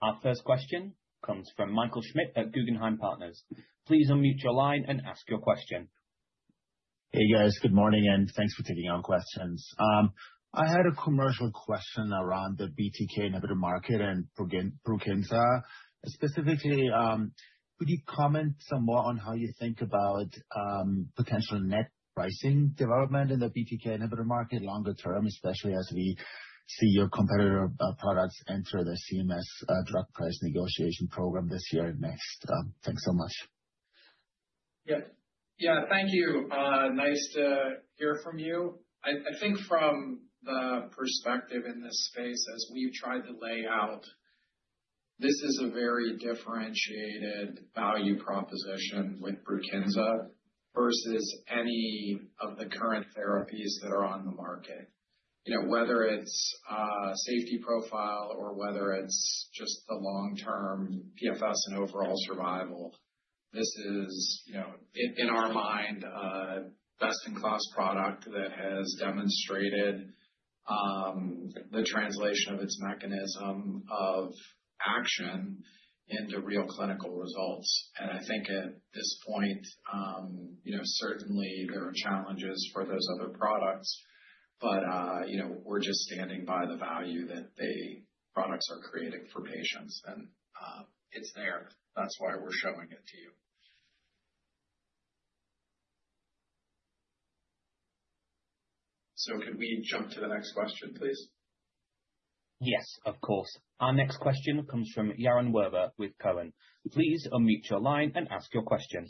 Speaker 1: Our first question comes from Michael Schmidt at Guggenheim Securities. Please unmute your line and ask your question.
Speaker 6: Hey, guys. Good morning, and thanks for taking our questions. I had a commercial question around the BTK inhibitor market and BRUKINSA. Specifically, could you comment some more on how you think about potential net pricing development in the BTK inhibitor market longer term, especially as we see your competitor products enter the CMS Drug Price Negotiation Program this year and next? Thanks so much.
Speaker 3: Yeah, thank you. Nice to hear from you. I think from the perspective in this space, as we've tried to lay out, this is a very differentiated value proposition with BRUKINSA versus any of the current therapies that are on the market. You know, whether it's safety profile or whether it's just the long-term PFS and overall survival, this is, you know, in our mind, a best-in-class product that has demonstrated the translation of its mechanism of action into real clinical results. I think at this point, you know, certainly there are challenges for those other products, but you know, we're just standing by the value that the products are creating for patients, and it's there. That's why we're showing it to you. Can we jump to the next question, please?
Speaker 1: Yes, of course. Our next question comes from Yaron Werber with TD Cowen. Please unmute your line and ask your question.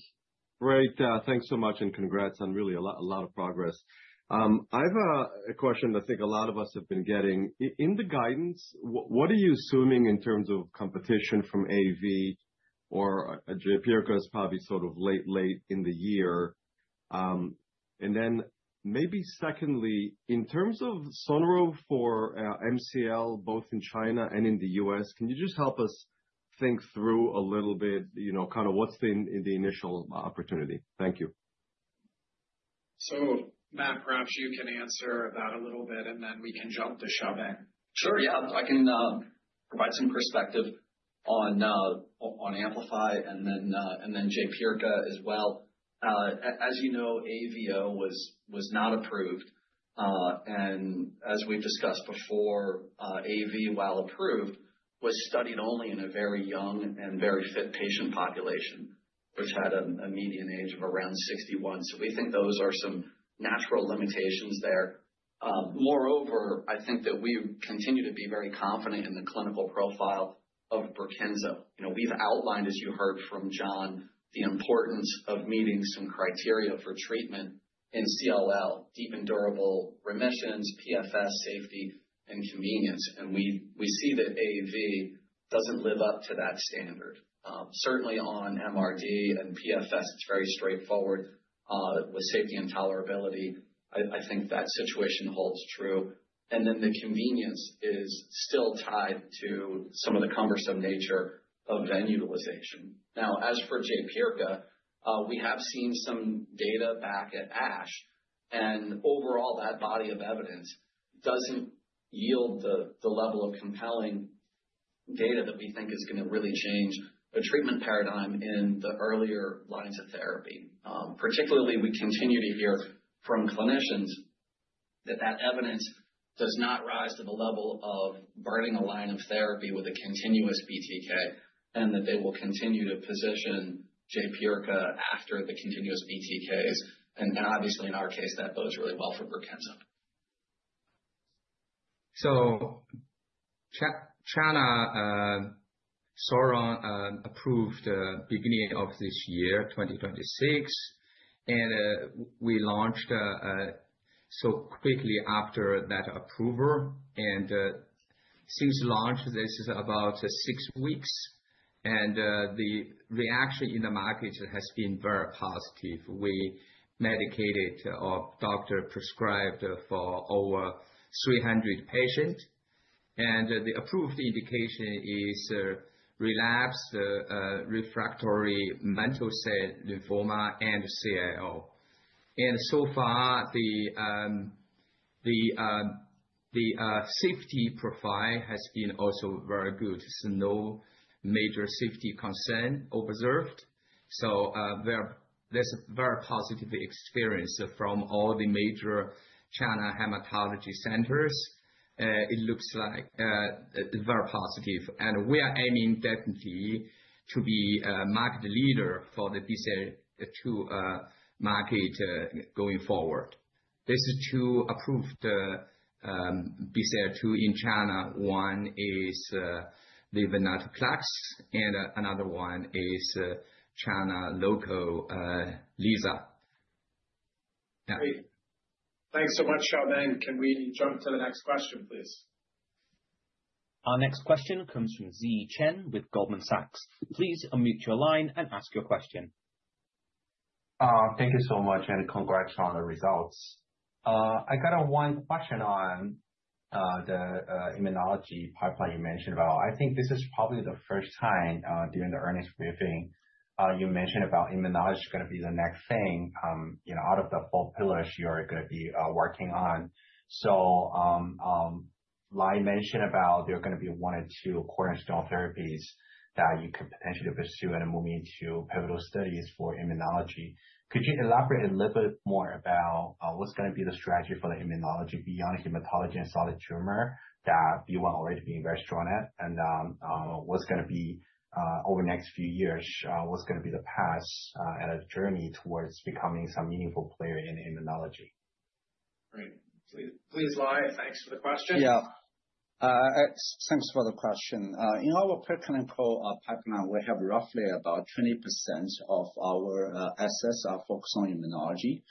Speaker 7: Great, thanks so much, and congrats on really a lot of progress. I have a question I think a lot of us have been getting. In the guidance, what are you assuming in terms of competition from AV or Jaypirca is probably sort of late in the year. Then maybe secondly, in terms of Sonro for MCL, both in China and in the U.S., can you just help us think through a little bit, you know, kind of what's been the initial opportunity? Thank you.
Speaker 3: Matt, perhaps you can answer that a little bit, and then we can jump to Xiaobin.
Speaker 8: Sure, yeah. I can provide some perspective on AMPLIFY and then Jaypirca as well. As you know, AVO was not approved. As we've discussed before, AV, while approved, was studied only in a very young and very fit patient population, which had a median age of around 61. We think those are some natural limitations there. Moreover, I think that we continue to be very confident in the clinical profile of BRUKINSA. You know, we've outlined, as you heard from John, the importance of meeting some criteria for treatment in CLL, deep and durable remissions, PFS, safety, and convenience. We see that AV doesn't live up to that standard. Certainly on MRD and PFS, it's very straightforward with safety and tolerability. I think that situation holds true. The convenience is still tied to some of the cumbersome nature of vein utilization. Now, as for Jaypirca, we have seen some data back at ASH, and overall, that body of evidence doesn't yield the level of compelling data that we think is gonna really change the treatment paradigm in the earlier lines of therapy. Particularly, we continue to hear from clinicians that evidence does not rise to the level of burning a line of therapy with a continuous BTK, and that they will continue to position Jaypirca after the continuous BTKs. Obviously, in our case, that bodes really well for BRUKINSA.
Speaker 9: China Sonrotoclax approved beginning of this year, 2026, we launched so quickly after that approval. Since launch, this is about six weeks, the reaction in the market has been very positive. We medicated, or doctor prescribed for over 300 patients, the approved indication is relapsed refractory mantle cell lymphoma and CLL. So far, the safety profile has been also very good. No major safety concern observed. There's a very positive experience from all the major China hematology centers. It looks like very positive, and we are aiming definitely to be a market leader for the BCL2 market going forward. There's 2 approved BCL2 in China. One is, venetoclax, and another one is, China local lisaftoclax. Yeah.
Speaker 3: Thanks so much, Xiaobin. Can we jump to the next question, please?
Speaker 1: Our next question comes from Zhi Chen with Goldman Sachs. Please unmute your line and ask your question.
Speaker 10: Thank you so much, and congrats on the results. I got one question on the immunology pipeline you mentioned about. I think this is probably the first time during the earnings briefing, you mentioned about immunology is gonna be the next thing, you know, out of the four pillars you are gonna be working on. Lai mentioned about there are gonna be one or two cornerstone therapies that you could potentially pursue and move into pivotal studies for immunology. Could you elaborate a little bit more about what's gonna be the strategy for the immunology beyond hematology and solid tumor, that you are already being very strong at? What's gonna be over the next few years, what's gonna be the path and a journey towards becoming some meaningful player in immunology?
Speaker 3: Great. Please, Lai, thanks for the question.
Speaker 5: Yeah. Thanks for the question. In our preclinical pipeline, we have roughly about 20% of our assets are focused on immunology.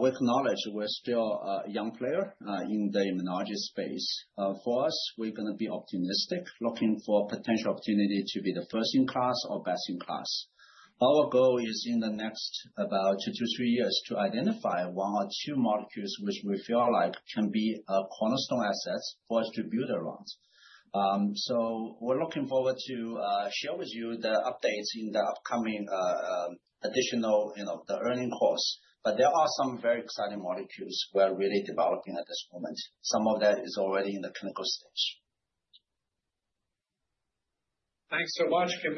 Speaker 5: With knowledge, we're still a young player in the immunology space. For us, we're gonna be optimistic, looking for potential opportunity to be the first in class or best in class. Our goal is, in the next about 2-3 years, to identify 1 or 2 molecules which we feel like can be cornerstone assets for distributor loans. We're looking forward to share with you the updates in the upcoming additional, you know, the earning calls. There are some very exciting molecules we are really developing at this moment. Some of that is already in the clinical stage.
Speaker 3: Thanks so much. Can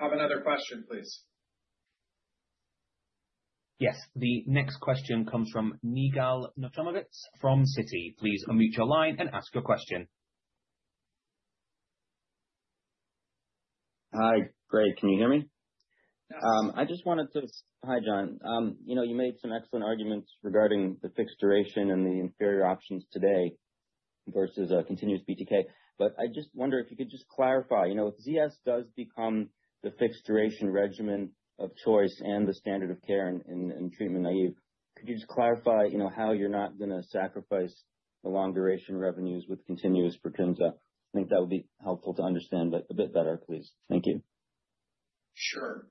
Speaker 3: we have another question, please?
Speaker 1: Yes. The next question comes from Yigal Nochomovitz from Citi. Please unmute your line and ask your question.
Speaker 11: Hi, great. Can you hear me? I just wanted to. Hi, John. You know, you made some excellent arguments regarding the fixed duration and the inferior options today versus continuous BTK, but I just wonder if you could just clarify, you know, if ZS does become the fixed duration regimen of choice and the standard of care in treatment naive, could you just clarify, you know, how you're not gonna sacrifice the long duration revenues with continuous BRUKINSA? I think that would be helpful to understand it a bit better, please. Thank you.
Speaker 4: Sure.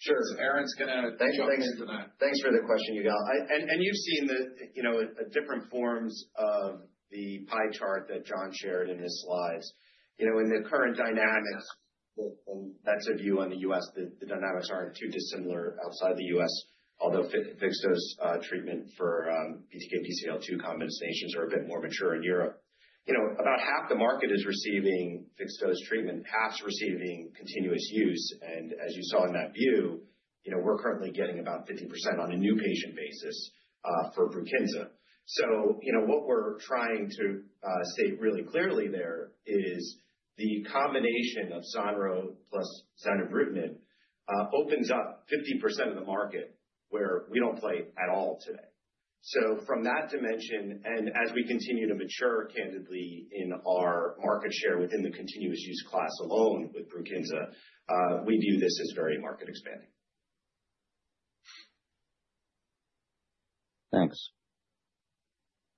Speaker 3: Sure. Aaron's gonna-
Speaker 4: Thank you. Thanks for the question, Yigal. You've seen the, you know, different forms of the pie chart that John shared in his slides. You know, in the current dynamics, well, that's a view on the U.S. The dynamics aren't too dissimilar outside the U.S., although fixed-dose treatment for BTK, BCL-2 combinations are a bit more mature in Europe. You know, about half the market is receiving fixed-dose treatment, half's receiving continuous use, and as you saw in that view, you know, we're currently getting about 50% on a new patient basis for BRUKINSA. You know, what we're trying to state really clearly there is the combination of sonrotoclax plus zanubrutinib opens up 50% of the market where we don't play at all today. From that dimension, and as we continue to mature candidly in our market share within the continuous use class alone with BRUKINSA, we view this as very market expanding.
Speaker 11: Thanks.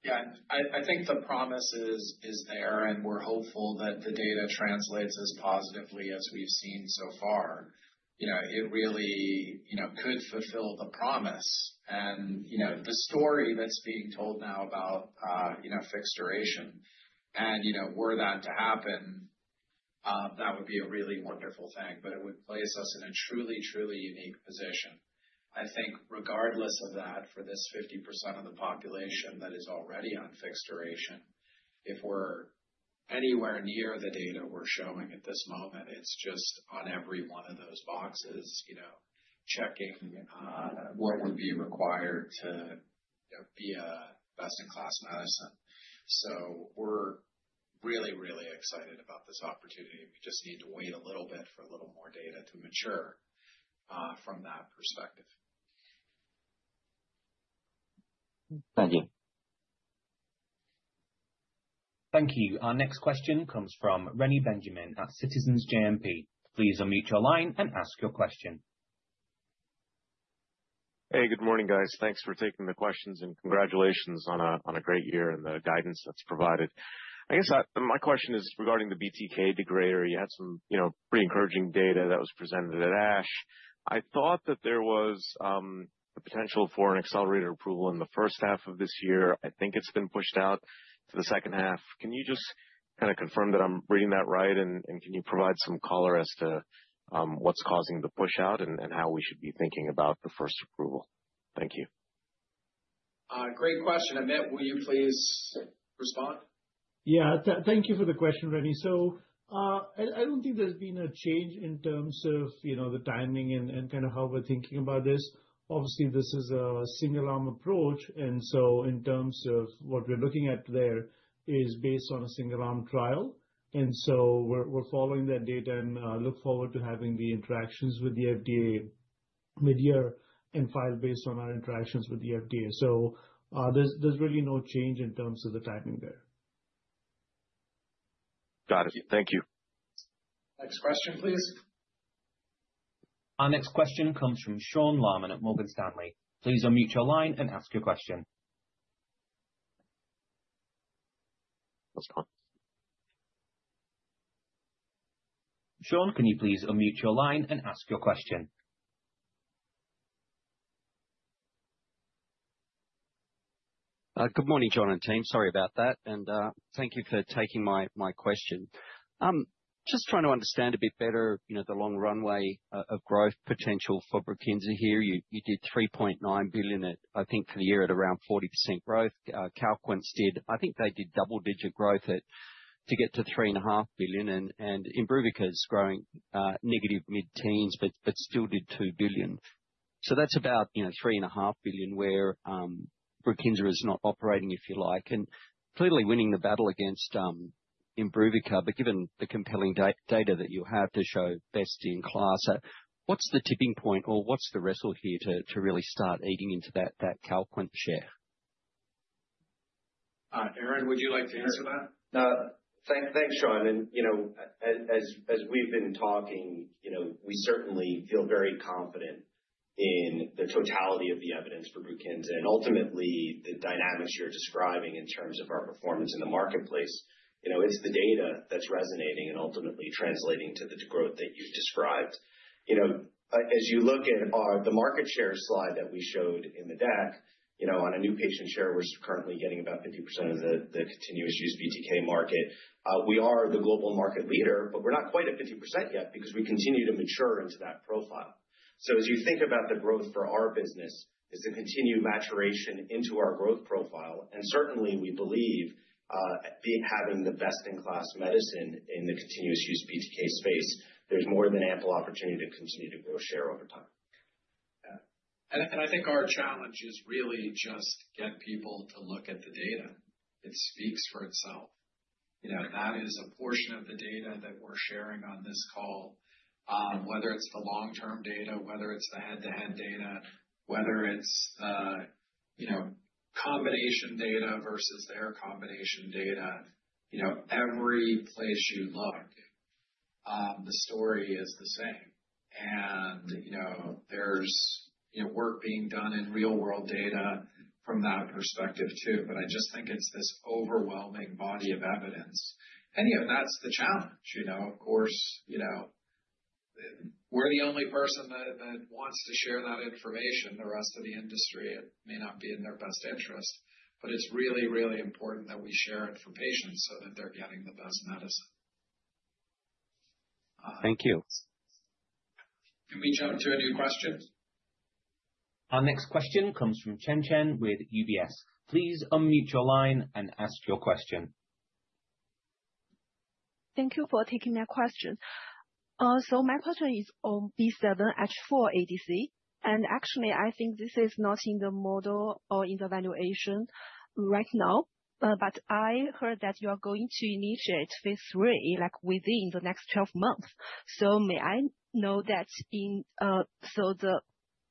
Speaker 3: Yeah, I think the promise is there, and we're hopeful that the data translates as positively as we've seen so far. You know, it really, you know, could fulfill the promise and, you know, the story that's being told now about, you know, fixed duration. You know, were that to happen, that would be a really wonderful thing, but it would place us in a truly unique position. I think regardless of that, for this 50% of the population that is already on fixed duration, if we're anywhere near the data we're showing at this moment, it's just on every one of those boxes, you know, checking on what would be required to, you know, be a best-in-class medicine. We're really excited about this opportunity.
Speaker 4: We just need to wait a little bit for a little more data to mature from that perspective.
Speaker 11: Thank you.
Speaker 1: Thank you. Our next question comes from Reni Benjamin at Citizens JMP. Please unmute your line and ask your question.
Speaker 12: Hey, good morning, guys. Thanks for taking the questions and congratulations on a great year and the guidance that's provided. I guess, my question is regarding the BTK degrader. You had some, you know, pretty encouraging data that was presented at ASH. I thought that there was a potential for an accelerated approval in the first half of this year. I think it's been pushed out to the second half. Can you just kind of confirm that I'm reading that right, and can you provide some color as to what's causing the pushout and how we should be thinking about the first approval? Thank you.
Speaker 3: Great question. Amit, will you please respond?
Speaker 13: Thank you for the question, Reni. I don't think there's been a change in terms of, you know, the timing and kind of how we're thinking about this. Obviously, this is a single-arm approach, and so in terms of what we're looking at there is based on a single-arm trial, and so we're following that data and look forward to having the interactions with the FDA midyear and file based on our interactions with the FDA. there's really no change in terms of the timing there.
Speaker 12: Got it. Thank you.
Speaker 3: Next question, please.
Speaker 1: Our next question comes from Sean Laaman at Morgan Stanley. Please unmute your line and ask your question. Sean? Sean, can you please unmute your line and ask your question?
Speaker 14: Good morning, John and team. Sorry about that, thank you for taking my question. Just trying to understand a bit better, you know, the long runway of growth potential for BRUKINSA here. You did $3.9 billion at, I think for the year, at around 40% growth. CALQUENCE did, I think they did double-digit growth at, to get to three and a half billion, and Imbruvica is growing negative mid-teens, but still did $2 billion. That's about, you know, three and a half billion where BRUKINSA is not operating, if you like, and clearly winning the battle against Imbruvica. Given the compelling data that you have to show best-in-class, what's the tipping point or what's the wrestle here to really start eating into that CALQUENCE share?
Speaker 3: Aaron, would you like to answer that?
Speaker 4: Thanks, Sean, and, you know, as we've been talking, you know, we certainly feel very confident in the totality of the evidence for BRUKINSA, and ultimately, the dynamics you're describing in terms of our performance in the marketplace, you know, is the data that's resonating and ultimately translating to the growth that you've described. You know, as you look at the market share slide that we showed in the deck, you know, on a new patient share, we're currently getting about 50% of the continuous use BTK market. We are the global market leader. We're not quite at 50% yet because we continue to mature into that profile. As you think about the growth for our business, is the continued maturation into our growth profile, and certainly we believe, having the best-in-class medicine in the continuous use BTK space, there's more than ample opportunity to continue to grow share over time.
Speaker 3: I think our challenge is really just get people to look at the data. It speaks for itself. You know, that is a portion of the data that we're sharing on this call. Whether it's the long-term data, whether it's the head-to-head data, whether it's, you know, combination data versus their combination data, you know, every place you look, the story is the same. You know, there's, you know, work being done in real world data from that perspective, too. I just think it's this overwhelming body of evidence. You know, that's the challenge, you know. Of course, you know, we're the only person that wants to share that information. The rest of the industry, it may not be in their best interest, but it's really, really important that we share it for patients so that they're getting the best medicine.
Speaker 14: Thank you.
Speaker 3: Can we jump to a new question?
Speaker 1: Our next question comes from Chen Chen with UBS. Please unmute your line and ask your question.
Speaker 15: Thank you for taking my question. My question is on B7-H4 ADC, and actually, I think this is not in the model or in the valuation right now. I heard that you are going to initiate Phase III, like, within the next 12 months. May I know that in the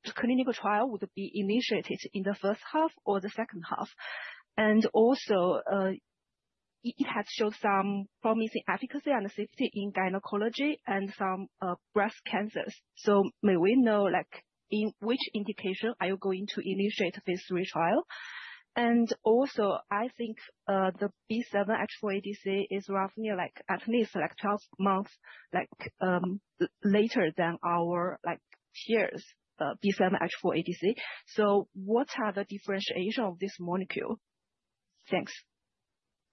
Speaker 15: clinical trial would be initiated in the first half or the second half? It has showed some promising efficacy and safety in gynecology and some breast cancers. May we know, like, in which indication are you going to initiate Phase III trial? I think the B7-H4 ADC is roughly like at least like 12 months, like, later than our, like, tiers B7-H4 ADC. What are the differentiation of this molecule? Thanks.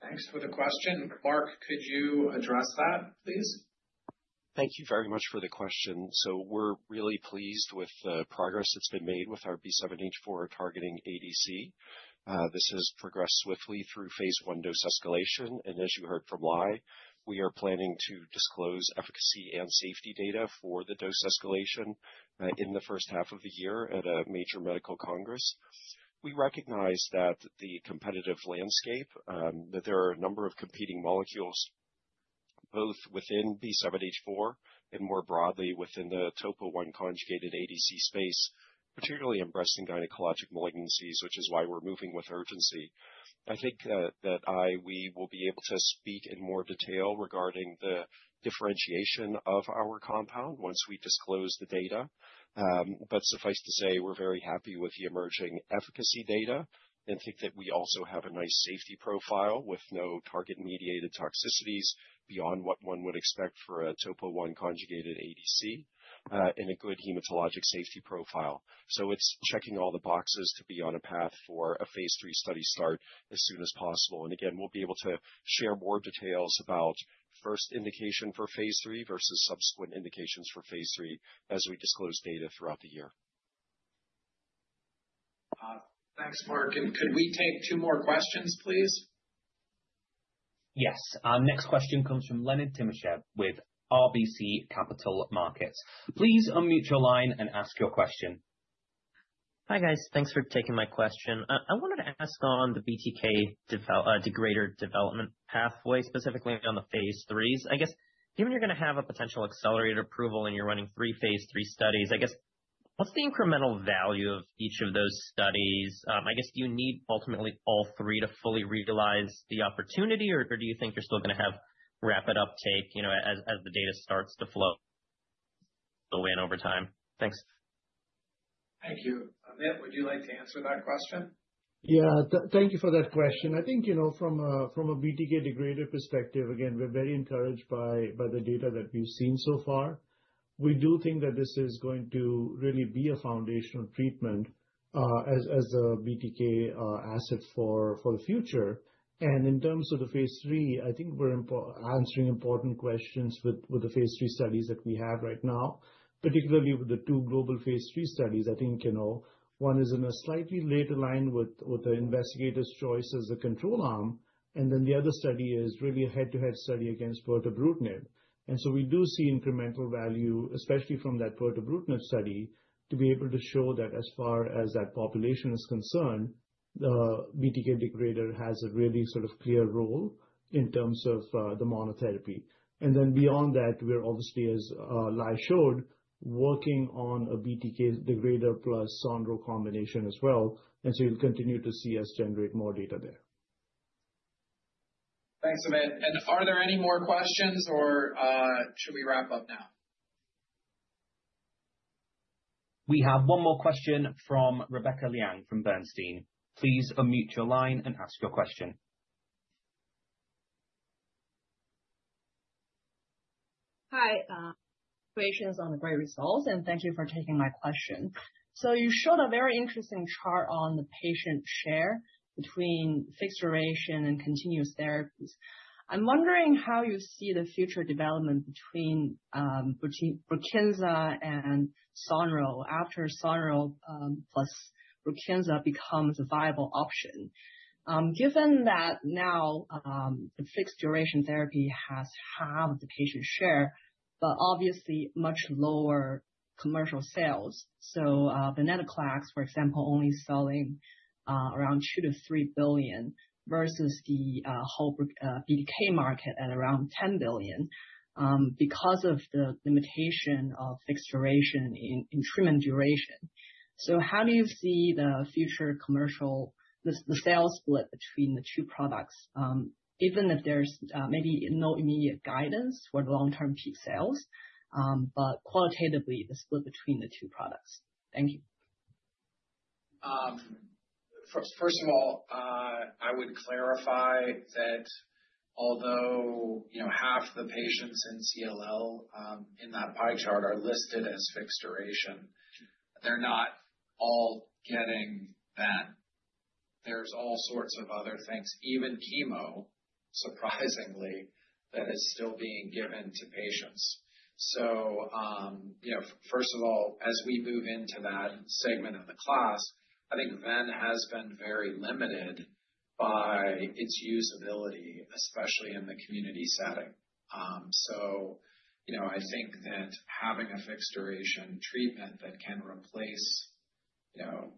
Speaker 3: Thanks for the question. Mark, could you address that, please?
Speaker 16: Thank you very much for the question. We're really pleased with the progress that's been made with our B7-H4-targeting ADC. This has progressed swiftly through Phase I dose escalation, and as you heard from Ly, we are planning to disclose efficacy and safety data for the dose escalation in the 1st half of the year at a major medical congress. We recognize that the competitive landscape, that there are a number of competing molecules, both within B7H4 and more broadly within the Topo-1-conjugated ADC space, particularly in breast and gynecologic malignancies, which is why we're moving with urgency. I think that we will be able to speak in more detail regarding the differentiation of our compound once we disclose the data. Suffice to say, we're very happy with the emerging efficacy data and think that we also have a nice safety profile with no target-mediated toxicities beyond what one would expect for a Topo-1-conjugated ADC, and a good hematologic safety profile. It's checking all the boxes to be on a path for a Phase III study start as soon as possible. Again, we'll be able to share more details about first indication for Phase III versus subsequent indications for Phase III as we disclose data throughout the year.
Speaker 3: Thanks, Mark. Could we take 2 more questions, please?
Speaker 1: Yes. Our next question comes from Leonid Timashev with RBC Capital Markets. Please unmute your line and ask your question.
Speaker 17: Hi, guys. Thanks for taking my question. I wanted to ask on the BTK degrader development pathway, specifically on the Phase III. I guess, given you're gonna have a potential accelerated approval and you're running three Phase III studies, I guess, what's the incremental value of each of those studies? I guess, do you need ultimately all 3 to fully realize the opportunity? Or do you think you're still gonna have rapid uptake, you know, as the data starts to flow the way and over time? Thanks.
Speaker 3: Thank you. Amit, would you like to answer that question?
Speaker 13: Yeah, thank you for that question. I think, you know, from a BTK degrader perspective, again, we're very encouraged by the data that we've seen so far. We do think that this is going to really be a foundational treatment as a BTK asset for the future. In terms of the Phase III, I think we're answering important questions with the Phase III studies that we have right now, particularly with the two global Phase III studies. I think, you know, one is in a slightly later line with the investigator's choice as a control arm, and then the other study is really a head-to-head study against bortezomib. We do see incremental value, especially from that bortezomib study, to be able to show that as far as that population is concerned, the BTK degrader has a really sort of clear role in terms of the monotherapy. Beyond that, we're obviously, as Ly showed, working on a BTK degrader plus sonrotoclax combination as well, and so you'll continue to see us generate more data there.
Speaker 3: Thanks, Amit. Are there any more questions, or should we wrap up now?
Speaker 1: We have one more question from Rebecca Liang, from Bernstein. Please unmute your line and ask your question.
Speaker 18: Congratulations on the great results, thank you for taking my question. You showed a very interesting chart on the patient share between fixed duration and continuous therapies. I'm wondering how you see the future development between BRUKINSA and Sonro after Sonro plus BRUKINSA becomes a viable option. Given that now the fixed duration therapy has halved the patient share, but obviously much lower commercial sales. Venetoclax, for example, only selling around $2 billion-$3 billion versus the whole BTK market at around $10 billion because of the limitation of fixed duration in treatment duration. How do you see the future commercial, the sales split between the two products? Even if there's maybe no immediate guidance for the long-term peak sales, but qualitatively, the split between the two products. Thank you.
Speaker 3: First of all, I would clarify that although, you know, half the patients in CLL, in that pie chart are listed as fixed duration, they're not all getting that. There's all sorts of other things, even chemo, surprisingly, that is still being given to patients. First of all, as we move into that segment of the class, I think Ven has been very limited by its usability, especially in the community setting. I think that having a fixed duration treatment that can replace, you know,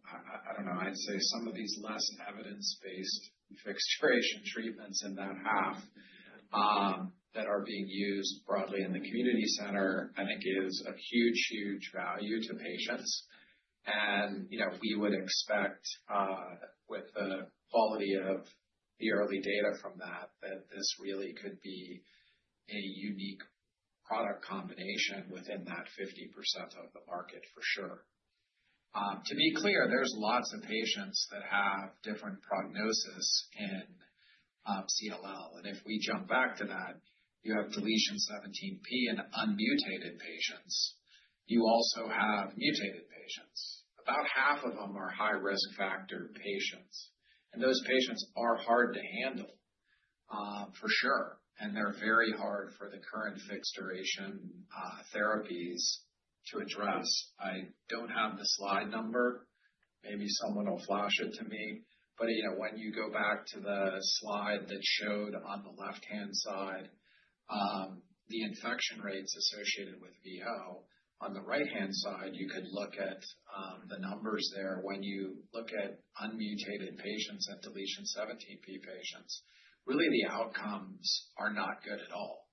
Speaker 3: I don't know, I'd say some of these less evidence-based fixed duration treatments in that half that are being used broadly in the community center, I think, is a huge value to patients. you know, we would expect with the quality of the early data from that this really could be a unique product combination within that 50% of the market for sure. To be clear, there's lots of patients that have different prognosis in CLL, and if we jump back to that, you have deletion 17p in unmutated patients. You also have mutated patients. About half of them are high-risk factor patients, and those patients are hard to handle for sure, and they're very hard for the current fixed duration therapies to address. I don't have the slide number. Maybe someone will flash it to me. you know, when you go back to the slide that showed on the left-hand side, the infection rates associated with VO. On the right-hand side, you could look at the numbers there. When you look at unmutated patients and deletion 17p patients, really, the outcomes are not good at all.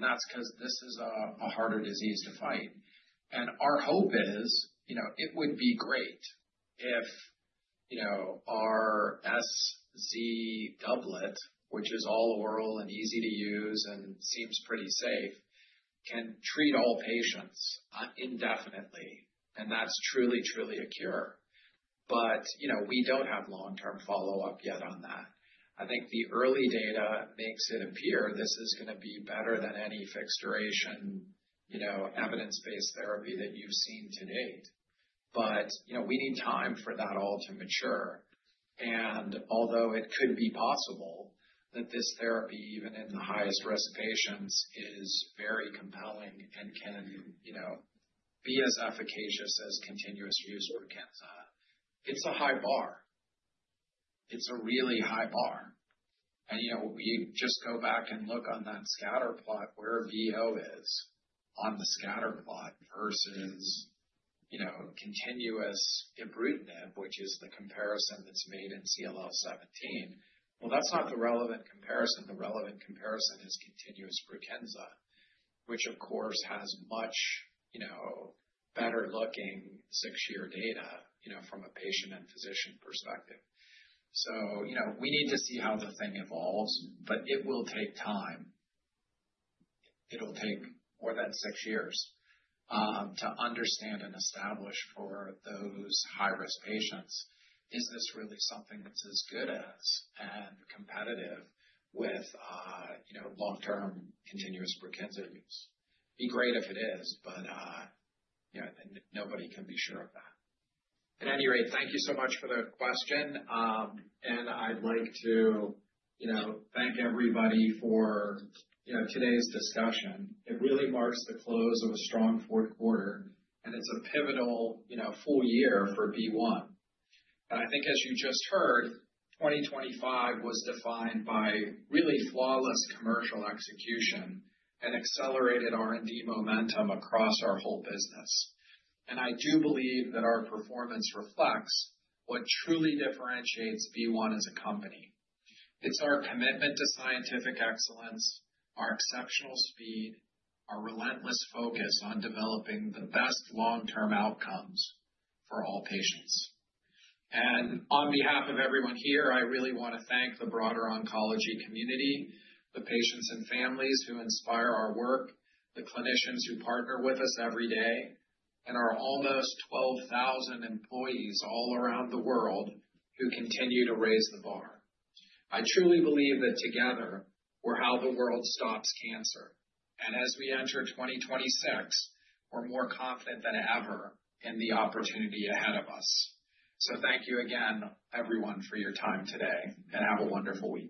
Speaker 3: That's 'cause this is a harder disease to fight. Our hope is, you know, it would be great if, you know, our SZ doublet, which is all oral and easy to use and seems pretty safe, can treat all patients indefinitely, and that's truly a cure. You know, we don't have long-term follow-up yet on that. I think the early data makes it appear this is gonna be better than any fixed duration, you know, evidence-based therapy that you've seen to date. You know, we need time for that all to mature. Although it could be possible that this therapy, even in the highest-risk patients, is very compelling and can, you know, be as efficacious as continuous use or cannot. It's a high bar. It's a really high bar. You know, you just go back and look on that scatter plot where VO is on the scatter plot versus, you know, continuous ibrutinib, which is the comparison that's made in CLL17. That's not the relevant comparison. The relevant comparison is continuous BRUKINSA, which of course, has much, you know, better-looking 6-year data, you know, from a patient and physician perspective. You know, we need to see how the thing evolves, but it will take time. It'll take more than 6 years to understand and establish for those high-risk patients, is this really something that's as good as and competitive with, you know, long-term continuous BRUKINSA use? Be great if it is, you know, nobody can be sure of that. At any rate, thank you so much for the question, I'd like to, you know, thank everybody for, you know, today's discussion. It really marks the close of a strong fourth quarter, and it's a pivotal, you know, full year for BeOne. I think as you just heard, 2025 was defined by really flawless commercial execution and accelerated R&D momentum across our whole business. I do believe that our performance reflects what truly differentiates BeOne as a company. It's our commitment to scientific excellence, our exceptional speed, our relentless focus on developing the best long-term outcomes for all patients. On behalf of everyone here, I really want to thank the broader oncology community, the patients and families who inspire our work, the clinicians who partner with us every day, and our almost 12,000 employees all around the world who continue to raise the bar. I truly believe that together we're how the world stops cancer. As we enter 2026, we're more confident than ever in the opportunity ahead of us. Thank you again, everyone, for your time today, and have a wonderful weekend.